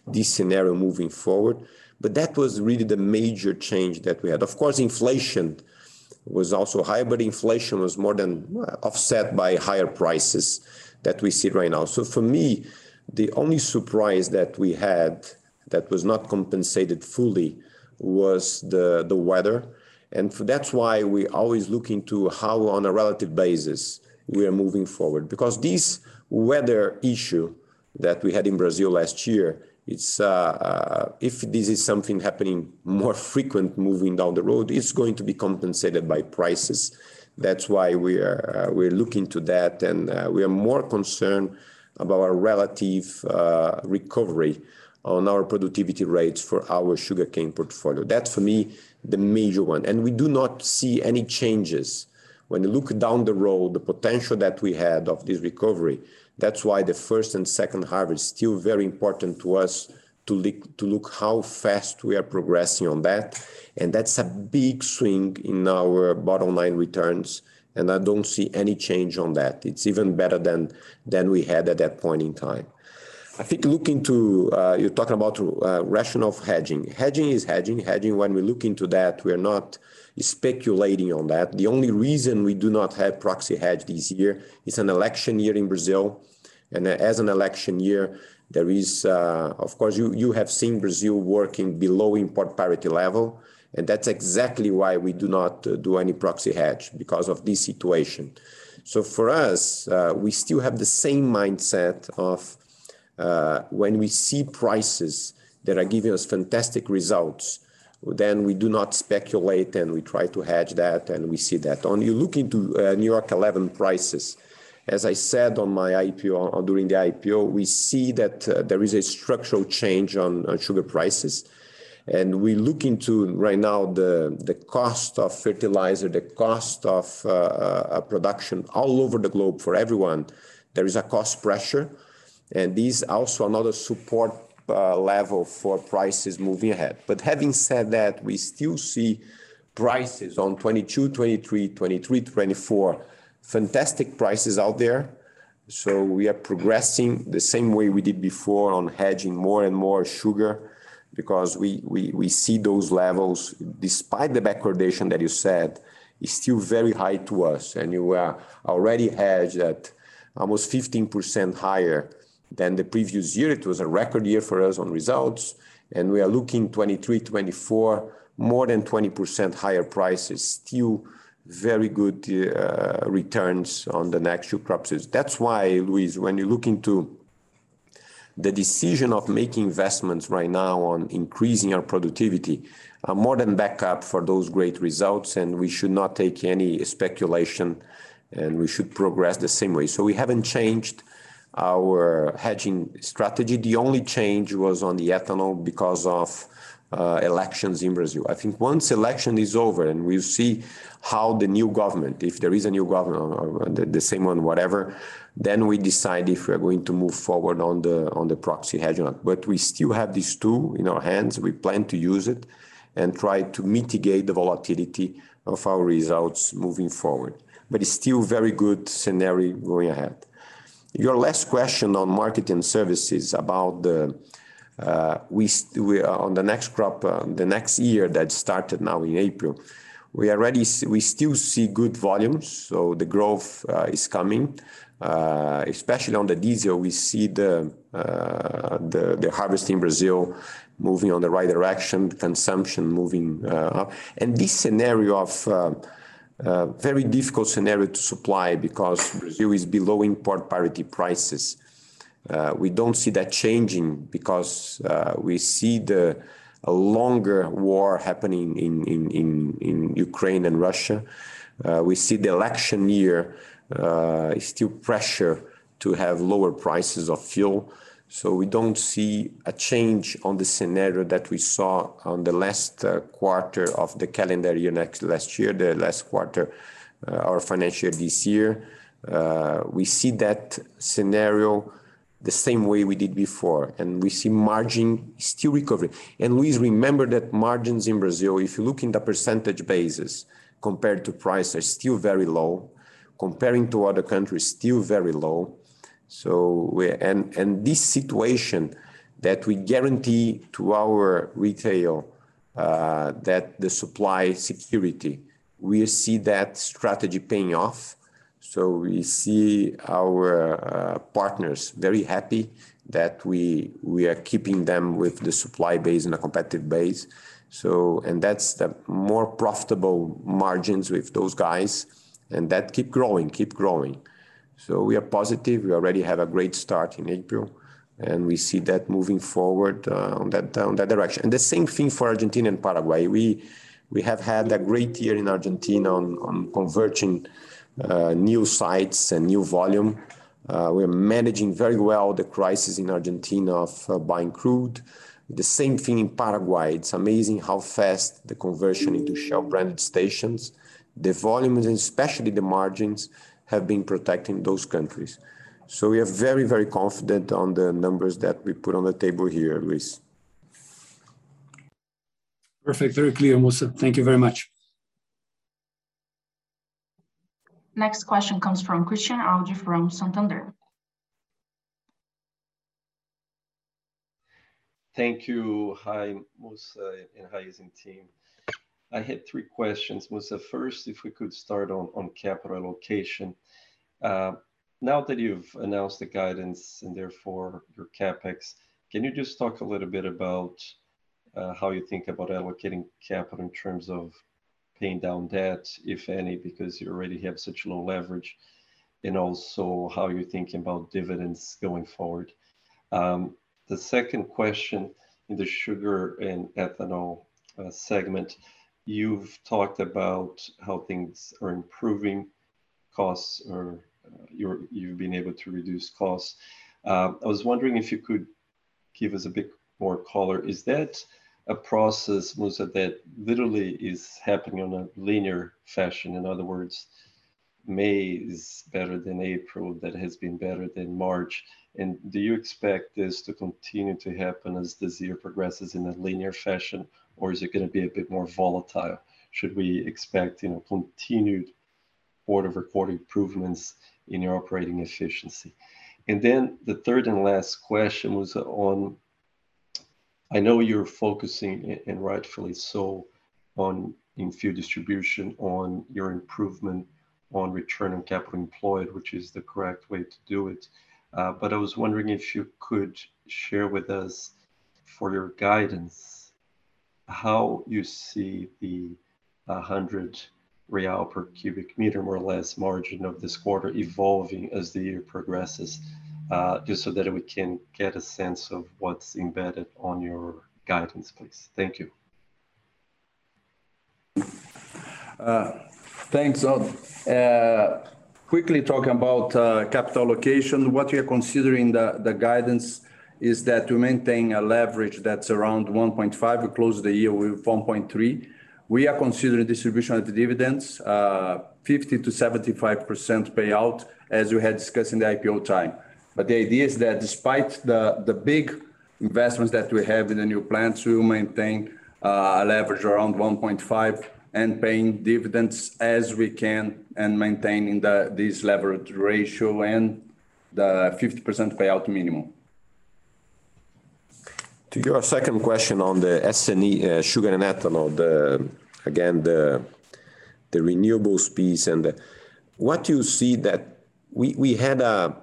this scenario moving forward. That was really the major change that we had. Of course, inflation was also high, but inflation was more than offset by higher prices that we see right now. For me, the only surprise that we had that was not compensated fully was the weather. That's why we always look into how on a relative basis we are moving forward. Because this weather issue that we had in Brazil last year, it's if this is something happening more frequent moving down the road, it's going to be compensated by prices. That's why we're looking to that, and we are more concerned about our relative recovery on our productivity rates for our sugarcane portfolio. That's for me, the major one. We do not see any changes when you look down the road, the potential that we had of this recovery. That's why the first and second harvest still very important to us to look how fast we are progressing on that. That's a big swing in our bottom line returns, and I don't see any change on that. It's even better than we had at that point in time. I think you're talking about rationale of hedging. Hedging is hedging. Hedging, when we look into that, we are not speculating on that. The only reason we do not have proxy hedge this year, it's an election year in Brazil. As an election year, there is, of course, you have seen Brazil working below import parity level, and that's exactly why we do not do any proxy hedge because of this situation. For us, we still have the same mindset of, when we see prices that are giving us fantastic results, then we do not speculate, and we try to hedge that, and we see that. When you look into New York 11 prices, as I said on my IPO or during the IPO, we see that there is a structural change on sugar prices. We look into right now the cost of fertilizer, the cost of production all over the globe for everyone. There is a cost pressure, and this also another support level for prices moving ahead. Having said that, we still see prices on 2022, 2023, 2024, fantastic prices out there. We are progressing the same way we did before on hedging more and more sugar because we see those levels, despite the backwardation that you said, is still very high to us. We were already hedged at almost 15% higher than the previous year. It was a record year for us on results, and we are looking 2023, 2024, more than 20% higher prices, still very good returns on the next few crops. That's why, Luiz, when you look into the decision of making investments right now on increasing our productivity are more than back up for those great results, and we should not take any speculation, and we should progress the same way. We haven't changed our hedging strategy. The only change was on the ethanol because of elections in Brazil. I think once election is over and we'll see how the new government, if there is a new government or the same one, whatever, then we decide if we are going to move forward on the proxy hedging. But we still have this tool in our hands. We plan to use it and try to mitigate the volatility of our results moving forward. It's still very good scenario going ahead. Your last question on market and services about the on the next crop, the next year that started now in April, we still see good volumes, so the growth is coming. Especially on the diesel we see the harvest in Brazil moving on the right direction, consumption moving up. This scenario of very difficult scenario to supply because Brazil is below import parity prices. We don't see that changing because we see a longer war happening in Ukraine and Russia. We see the election year still pressure to have lower prices of fuel. We don't see a change in the scenario that we saw in the last quarter of the calendar year in last year, the last quarter of our financial this year. We see that scenario the same way we did before, and we see margin still recovering. Luiz, remember that margins in Brazil, if you look on the percentage basis compared to price, are still very low. Comparing to other countries, still very low. This situation that we guarantee to our retail that the supply security, we see that strategy paying off. We see our partners very happy that we are keeping them with the supply base and a competitive base. That's the more profitable margins with those guys, and that keep growing. We are positive. We already have a great start in April, and we see that moving forward on that direction. The same thing for Argentina and Paraguay. We have had a great year in Argentina on converting new sites and new volume. We are managing very well the crisis in Argentina of buying crude. The same thing in Paraguay. It's amazing how fast the conversion into Shell branded stations. The volumes and especially the margins have been protecting those countries. We are very, very confident on the numbers that we put on the table here, Luiz. Perfect. Very clear, Musa. Thank you very much. Next question comes from Christian Audi from Santander. Thank you. Hi, Ricardo Mussa, and hi, executive team. I had three questions, Ricardo Mussa. First, if we could start on capital allocation. Now that you've announced the guidance and therefore your CapEx, can you just talk a little bit about how you think about allocating capital in terms of paying down debt, if any, because you already have such low leverage, and also how you're thinking about dividends going forward? The second question, in the sugar and ethanol segment, you've talked about how things are improving, costs are. You've been able to reduce costs. I was wondering if you could give us a bit more color. Is that a process, Ricardo Mussa, that literally is happening on a linear fashion? In other words, May is better than April, that has been better than March. Do you expect this to continue to happen as this year progresses in a linear fashion, or is it gonna be a bit more volatile? Should we expect, you know, continued quarter-over-quarter improvements in your operating efficiency? Then the third and last question, Ricardo Mussa, on I know you're focusing, and rightfully so, on, in fuel distribution, on your improvement on return on capital employed, which is the correct way to do it. But I was wondering if you could share with us, for your guidance, how you see the 100 real per cubic meter, more or less, margin of this quarter evolving as the year progresses, just so that we can get a sense of what's embedded in your guidance, please. Thank you. Thanks, Audi. Quickly talking about capital allocation. What we are considering, the guidance is that to maintain a leverage that's around 1.5, we close the year with 1.3, we are considering distribution of the dividends 50%-75% payout as we had discussed in the IPO time. The idea is that despite the big investments that we have in the new plants, we will maintain a leverage around 1.5, and paying dividends as we can, and maintaining this leverage ratio and the 50% payout minimum. To your second question on the S&E, sugar and ethanol, again, the renewables piece and what you see that we had our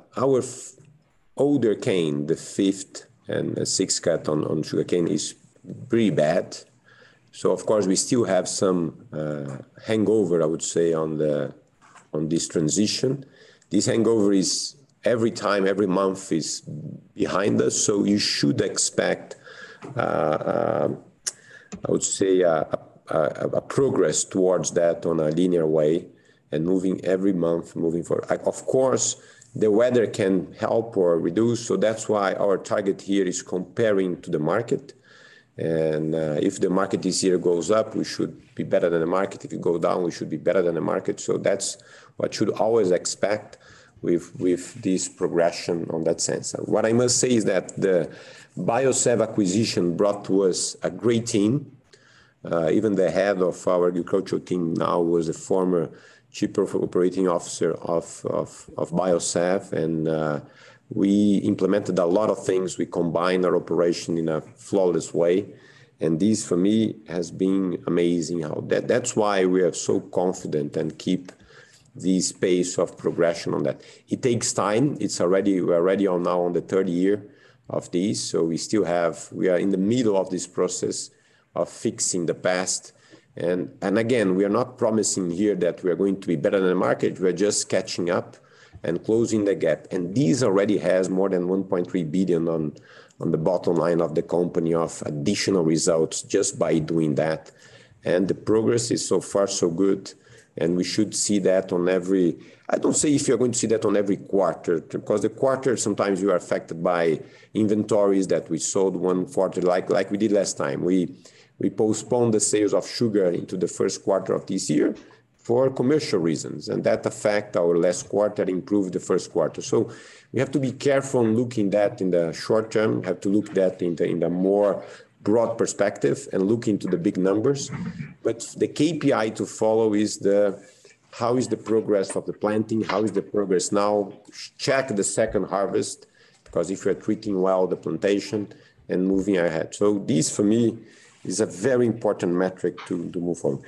older cane, the fifth and the sixth cut on sugarcane is pretty bad. Of course we still have some hangover, I would say, on this transition. This hangover is every time, every month is behind us, so you should expect, I would say, progress towards that on a linear way and moving every month, moving forward. Of course, the weather can help or reduce, so that's why our target here is comparing to the market, and if the market this year goes up, we should be better than the market. If it go down, we should be better than the market. That's what should always expect with this progression on that sense. What I must say is that the Biosev acquisition brought to us a great team. Even the head of our agricultural team now was a former chief operating officer of Biosev. We implemented a lot of things. We combined our operation in a flawless way, and this for me has been amazing how. That's why we are so confident and keep the pace of progression on that. It takes time. We're already on the third year of this, so we still have. We are in the middle of this process of fixing the past and again, we are not promising here that we are going to be better than the market. We're just catching up and closing the gap, and this already has more than 1.3 billion on the bottom line of the company of additional results just by doing that. The progress is so far so good, and we should see that on every. I don't say if you're going to see that on every quarter, because the quarter sometimes you are affected by inventories that we sold one quarter like we did last time. We postponed the sales of sugar into the first quarter of this year for commercial reasons, and that affect our last quarter, improve the first quarter. We have to be careful in looking that in the short-term. We have to look that in the, in the more broad perspective and look into the big numbers. The KPI to follow is the how is the progress of the planting, how is the progress now. Check the second harvest, because if we are treating well the plantation and moving ahead. This for me is a very important metric to move on.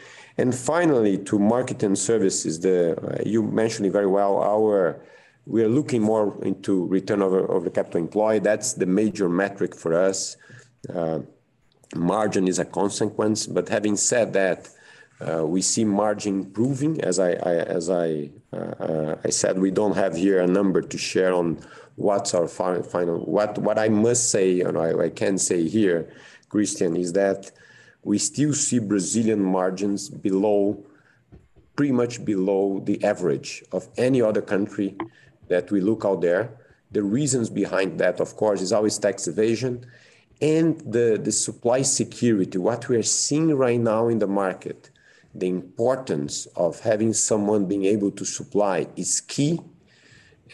Finally, to market and services, the. You mentioned it very well. We are looking more into return of the capital employed. That's the major metric for us. Margin is a consequence. Having said that, we see margin improving. As I said, we don't have here a number to share. What I must say and I can say here, Christian, is that we still see Brazilian margins pretty much below the average of any other country that we look at out there. The reasons behind that, of course, is always tax evasion and the supply security. What we are seeing right now in the market, the importance of having someone being able to supply is key,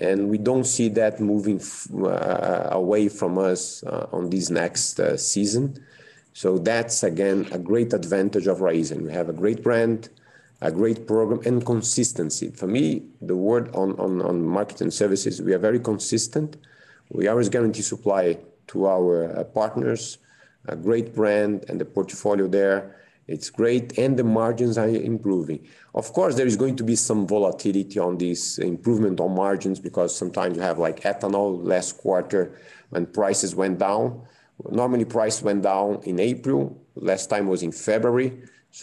and we don't see that moving away from us on this next season. That's again a great advantage of Raízen. We have a great brand, a great program, and consistency. For me, the one on market and services, we are very consistent. We always guarantee supply to our partners. A great brand and the portfolio there, it's great, and the margins are improving. Of course, there is going to be some volatility on this improvement on margins because sometimes you have like ethanol last quarter when prices went down. Normally price went down in April. Last time was in February.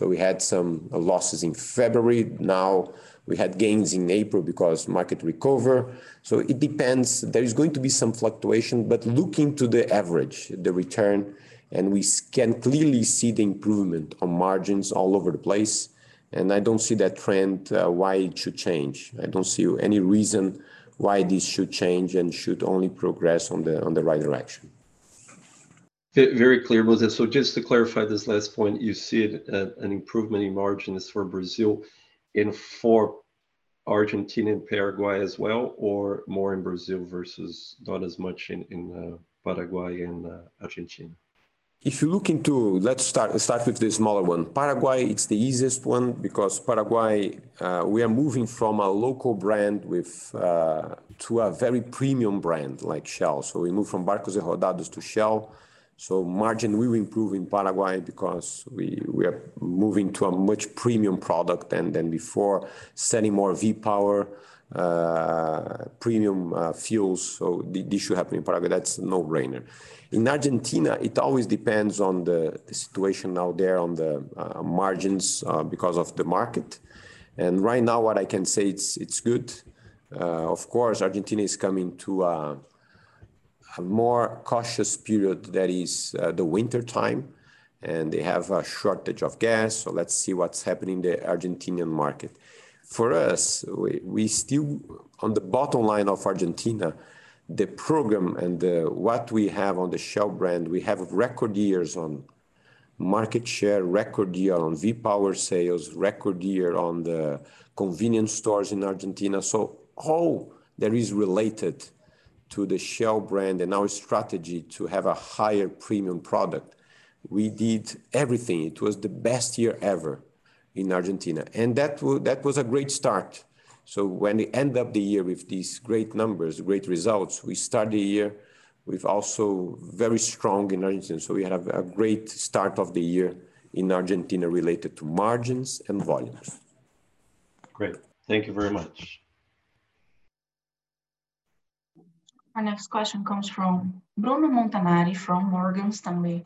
We had some losses in February. Now we had gains in April because market recover. It depends. There is going to be some fluctuation. Looking to the average, the return, and we can clearly see the improvement on margins all over the place, and I don't see that trend why it should change. I don't see any reason why this should change and should only progress on the right direction. Very clear, Ricardo Mussa. Just to clarify this last point, you see an improvement in margins for Brazil and for Argentina and Paraguay as well, or more in Brazil versus not as much in Paraguay and Argentina? Let's start with the smaller one. Paraguay, it's the easiest one because Paraguay, we are moving from a local brand to a very premium brand like Shell. We move from Barcos & Rodados to Shell. Margin will improve in Paraguay because we are moving to a much premium product than before. Selling more V-Power premium fuels. This should happen in Paraguay. That's a no-brainer. In Argentina, it always depends on the situation out there on the margins because of the market. Right now what I can say, it's good. Of course, Argentina is coming to a more cautious period that is the wintertime, and they have a shortage of gas. Let's see what's happening in the Argentine market. For us, we still on the bottom line of Argentina, the program and what we have on the Shell brand, we have record years on market share, record year on V-Power sales, record year on the convenience stores in Argentina. All that is related to the Shell brand and our strategy to have a higher premium product. We did everything. It was the best year ever in Argentina, and that was a great start. When we end up the year with these great numbers, great results, we start the year with also very strong in Argentina. We have a great start of the year in Argentina related to margins and volumes. Great. Thank you very much. Our next question comes from Bruno Montanari from Morgan Stanley.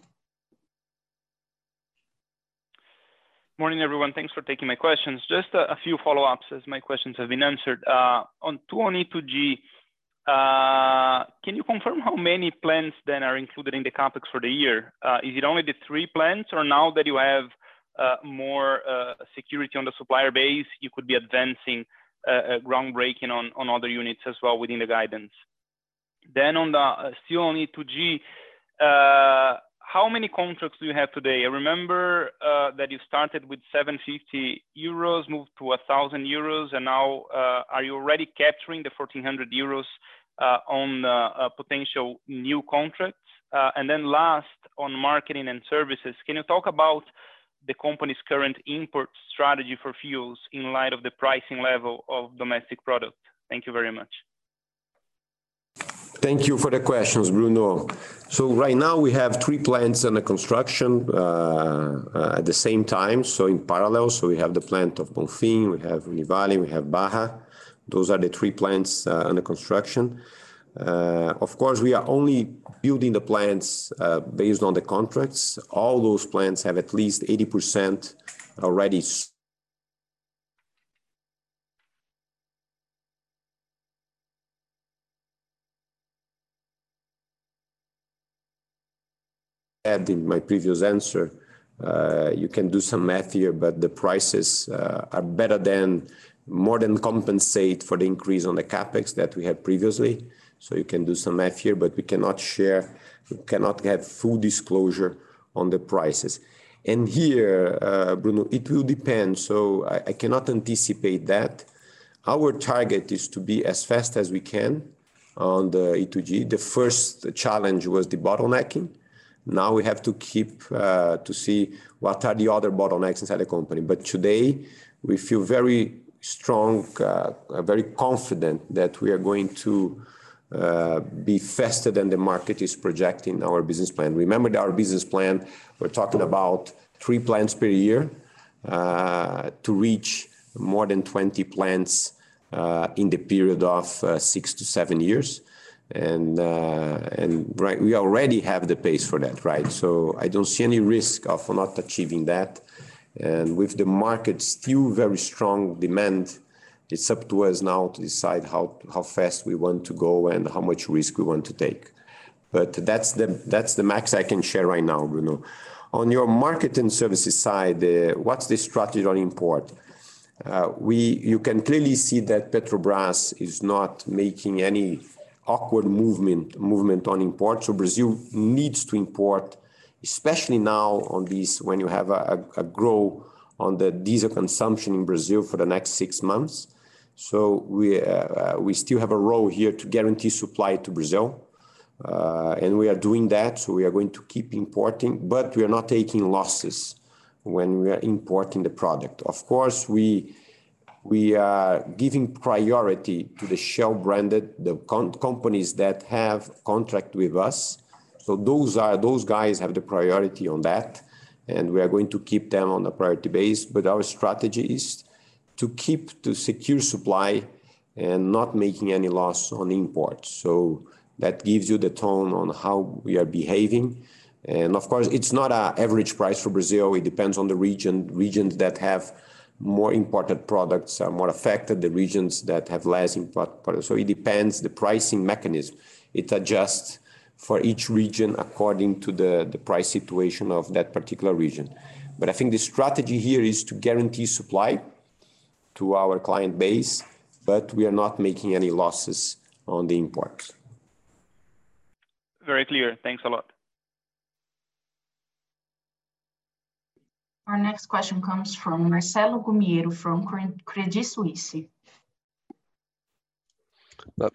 Morning, everyone. Thanks for taking my questions. Just a few follow-ups as my questions have been answered. On E2G, can you confirm how many plants then are included in the CapEx for the year? Is it only the three plants or now that you have more security on the supplier base, you could be advancing groundbreaking on other units as well within the guidance? Still on E2G, how many contracts do you have today? I remember that you started with 750 euros, moved to 1,000 euros, and now are you already capturing the 1,400 euros on a potential new contract? Last on marketing and services, can you talk about the company's current import strategy for fuels in light of the pricing level of domestic product? Thank you very much. Thank you for the questions, Bruno. Right now we have three plants under construction at the same time, so in parallel. We have the plant of Bonfim, we have Rivale, we have Barra. Those are the three plants under construction. Of course, we are only building the plants based on the contracts. All those plants have at least 80% already added in my previous answer. You can do some math here, but the prices are better and more than compensate for the increase on the CapEx that we had previously. You can do some math here, but we cannot share, we cannot have full disclosure on the prices. Here, Bruno, it will depend, so I cannot anticipate that. Our target is to be as fast as we can on the E2G. The first challenge was the bottlenecking. Now we have to keep to see what are the other bottlenecks inside the company. Today we feel very strong, very confident that we are going to be faster than the market is projecting our business plan. Remember that our business plan, we're talking about three plants per year, to reach more than 20 plants, in the period of six to seven years. We already have the pace for that, right? I don't see any risk of not achieving that. With the market still very strong demand, it's up to us now to decide how fast we want to go and how much risk we want to take. That's the max I can share right now, Bruno Montanari. On your market and services side, what's the strategy on import? You can clearly see that Petrobras is not making any awkward movement on imports. Brazil needs to import, especially now, when you have a growth in the diesel consumption in Brazil for the next six months. We still have a role here to guarantee supply to Brazil, and we are doing that. We are going to keep importing, but we are not taking losses when we are importing the product. Of course, we are giving priority to the Shell-branded companies that have contract with us. Those guys have the priority on that, and we are going to keep them on a priority basis. Our strategy is to keep, to secure supply and not making any loss on imports. That gives you the tone on how we are behaving. Of course, it's not our average price for Brazil. It depends on the region. Regions that have more imported products are more affected, the regions that have less import products. It depends, the pricing mechanism. It adjusts for each region according to the price situation of that particular region. I think the strategy here is to guarantee supply to our client base, but we are not making any losses on the imports. Very clear. Thanks a lot. Our next question comes from Marcelo Gumiero from Credit Suisse.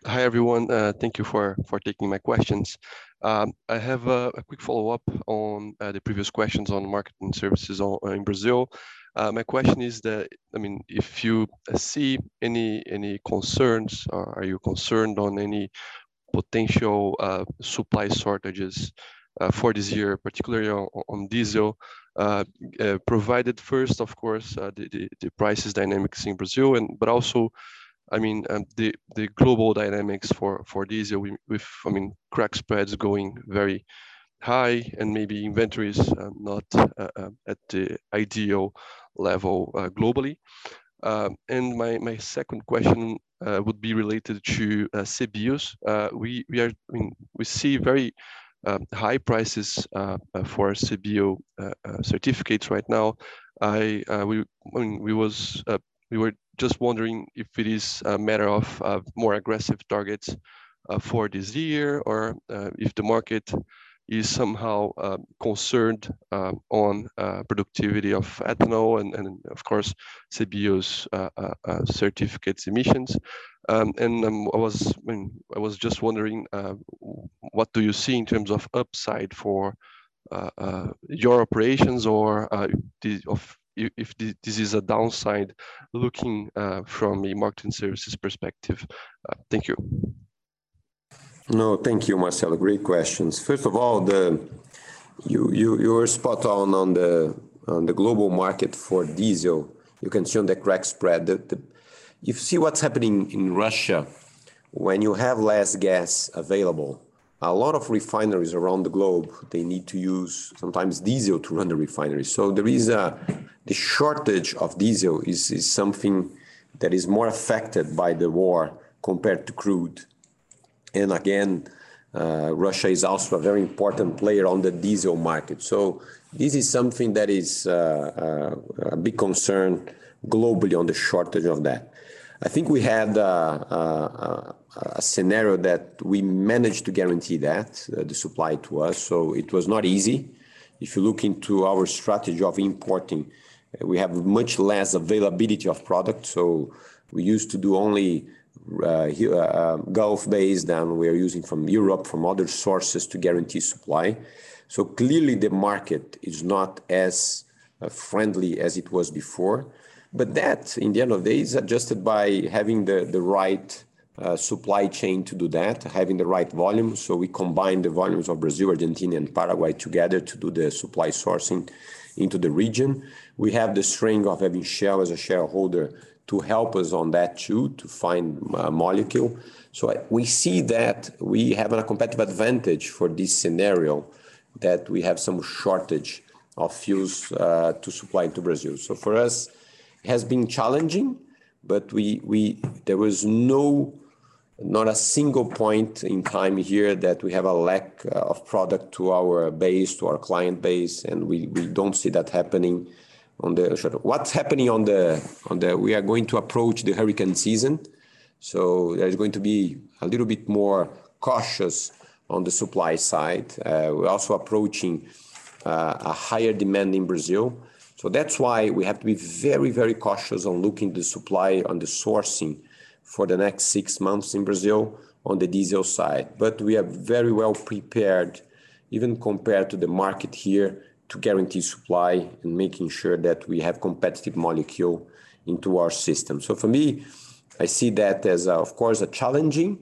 Hi, everyone. Thank you for taking my questions. I have a quick follow-up on the previous questions on marketing and services in Brazil. My question is that, I mean, if you see any concerns, are you concerned on any potential supply shortages for this year, particularly on diesel, provided first, of course, the price dynamics in Brazil. Also, I mean, the global dynamics for diesel with, I mean, crack spreads going very high and maybe inventories not at the ideal level globally. My second question would be related to CBIOs. I mean, we see very high prices for CBIO certificates right now. I mean, we were just wondering if it is a matter of more aggressive targets for this year or if the market is somehow concerned on productivity of ethanol and, of course, CBIOs certificates emissions. I mean, I was just wondering what do you see in terms of upside for your operations or if this is a downside looking from a market and services perspective? Thank you. No, thank you, Marcelo. Great questions. First of all, you're spot on on the global market for diesel. You can see on the crack spread. You see what's happening in Russia, when you have less gas available, a lot of refineries around the globe, they need to use sometimes diesel to run the refineries. There is the shortage of diesel is something that is more affected by the war compared to crude. Again, Russia is also a very important player on the diesel market. This is something that is a big concern globally on the shortage of that. I think we had a scenario that we managed to guarantee that the supply to us, so it was not easy. If you look into our strategy of importing, we have much less availability of product, so we used to do only here, Gulf-based, and we're using from Europe, from other sources to guarantee supply. Clearly the market is not as friendly as it was before. That, in the end of the day, is adjusted by having the right supply chain to do that, having the right volume. We combine the volumes of Brazil, Argentina, and Paraguay together to do the supply sourcing into the region. We have the strength of having Shell as a shareholder to help us on that too, to find molecule. We see that we have a competitive advantage for this scenario, that we have some shortage of fuels to supply to Brazil. For us, it has been challenging, but there was not a single point in time here that we have a lack of product to our base, to our client base, and we don't see that happening on the short. What's happening. We are going to approach the hurricane season, so there's going to be a little bit more caution on the supply side. We're also approaching a higher demand in Brazil. That's why we have to be very, very cautious on locking the supply, on the sourcing for the next six months in Brazil on the diesel side. But we are very well prepared, even compared to the market here, to guarantee supply and making sure that we have competitive molecule into our system. For me, I see that as, of course, a challenging,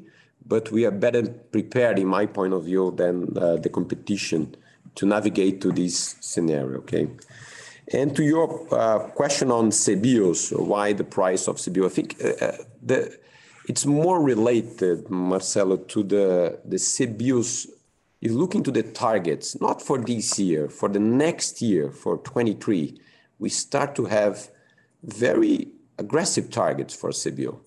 but we are better prepared in my point of view than the competition to navigate through this scenario. Okay? To your question on CBIOs, why the price of CBIO, I think, It's more related, Marcelo, to the CBIOs. You look into the targets, not for this year, for the next year, for 2023, we start to have very aggressive targets for CBIO.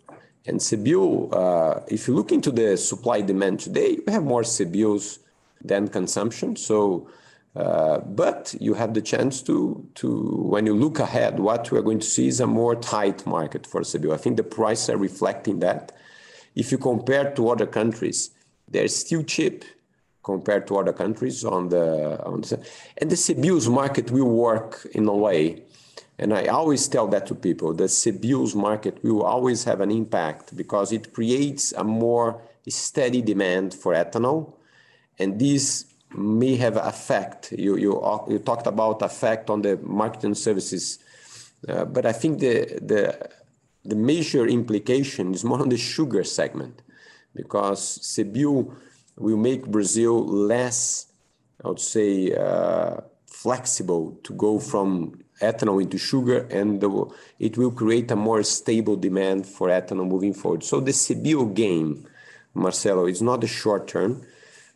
CBIO, if you look into the supply-demand today, we have more CBIOs than consumption. You have the chance. When you look ahead, what we are going to see is a more tight market for CBIO. I think the price are reflecting that. If you compare to other countries, they're still cheap compared to other countries on the. The CBIOs market will work in a way, and I always tell that to people, the CBIOs market will always have an impact because it creates a more steady demand for ethanol, and this may have effect. You talked about effect on the marketing services. But I think the major implication is more on the sugar segment because CBIO will make Brazil less, I would say, flexible to go from ethanol into sugar, and it will create a more stable demand for ethanol moving forward. The CBIO gain, Marcelo, is not the short-term,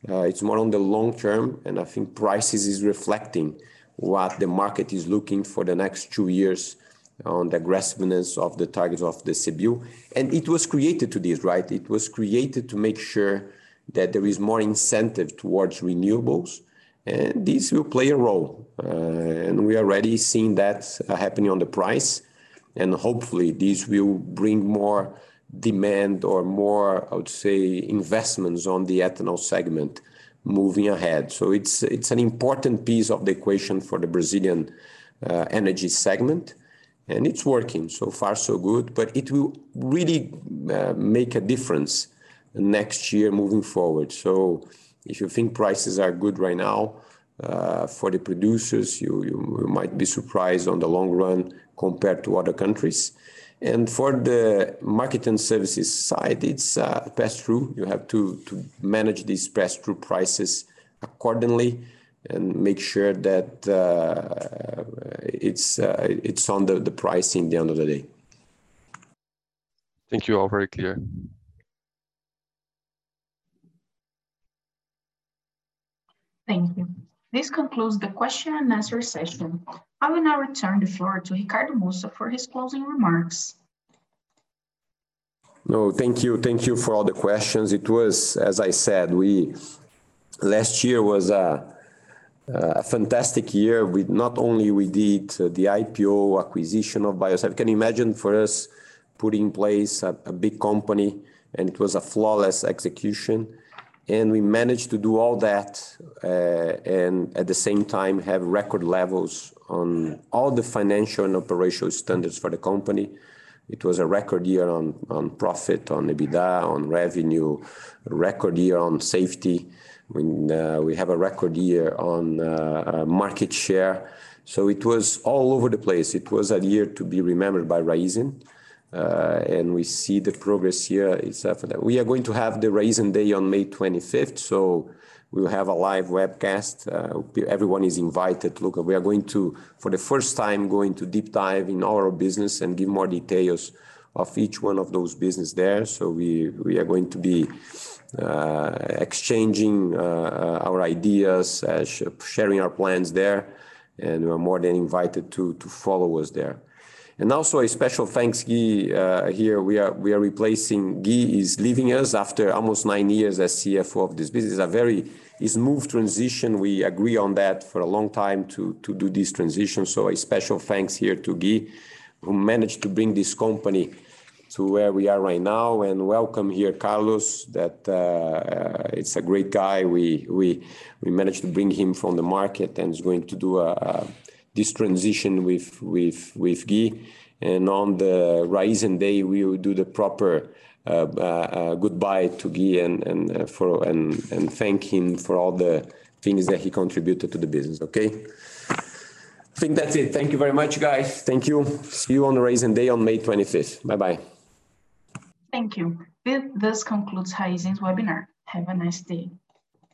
it's more on the long-term, and I think prices is reflecting what the market is looking for the next two years on the aggressiveness of the targets of the CBIO. It was created to this, right? It was created to make sure that there is more incentive towards renewables, and this will play a role. We are already seeing that happening on the price, and hopefully this will bring more demand or more, I would say, investments on the ethanol segment moving ahead. It's an important piece of the equation for the Brazilian energy segment, and it's working so far so good. It will really make a difference next year moving forward. If you think prices are good right now for the producers, you might be surprised on the long run compared to other countries. For the market and services side, it's pass-through. You have to manage these pass-through prices accordingly and make sure that it's on the pricing at the end of the day. Thank you. All very clear. Thank you. This concludes the question and answer session. I will now return the floor to Ricardo Mussa for his closing remarks. No, thank you. Thank you for all the questions. It was, as I said, last year was a fantastic year with not only we did the IPO acquisition of Biosev. Can you imagine for us putting in place a big company, and it was a flawless execution. We managed to do all that and at the same time have record levels on all the financial and operational standards for the company. It was a record year on profit, on EBITDA, on revenue, a record year on safety. We have a record year on market share. It was all over the place. It was a year to be remembered by Raízen. We see the progress here is for that. We are going to have the Raízen Day on May 25th, so we will have a live webcast. Everyone is invited. Look, we are going to, for the first time, deep dive in our business and give more details of each one of those business there. We are going to be exchanging our ideas, sharing our plans there, and you are more than invited to follow us there. Also a special thanks, Gui, here. We are replacing Gui. Gui is leaving us after almost nine years as CFO of this business. A very smooth transition. We agree on that for a long time to do this transition. A special thanks here to Gui, who managed to bring this company to where we are right now. Welcome here, Carlos, that he's a great guy. We managed to bring him from the market, and he's going to do this transition with Gui. On the Raízen Day, we will do the proper goodbye to Gui and thank him for all the things that he contributed to the business. Okay. I think that's it. Thank you very much, guys. Thank you. See you on the Raízen Day on May 25th. Bye-bye. Thank you. With this concludes Raízen's webinar. Have a nice day.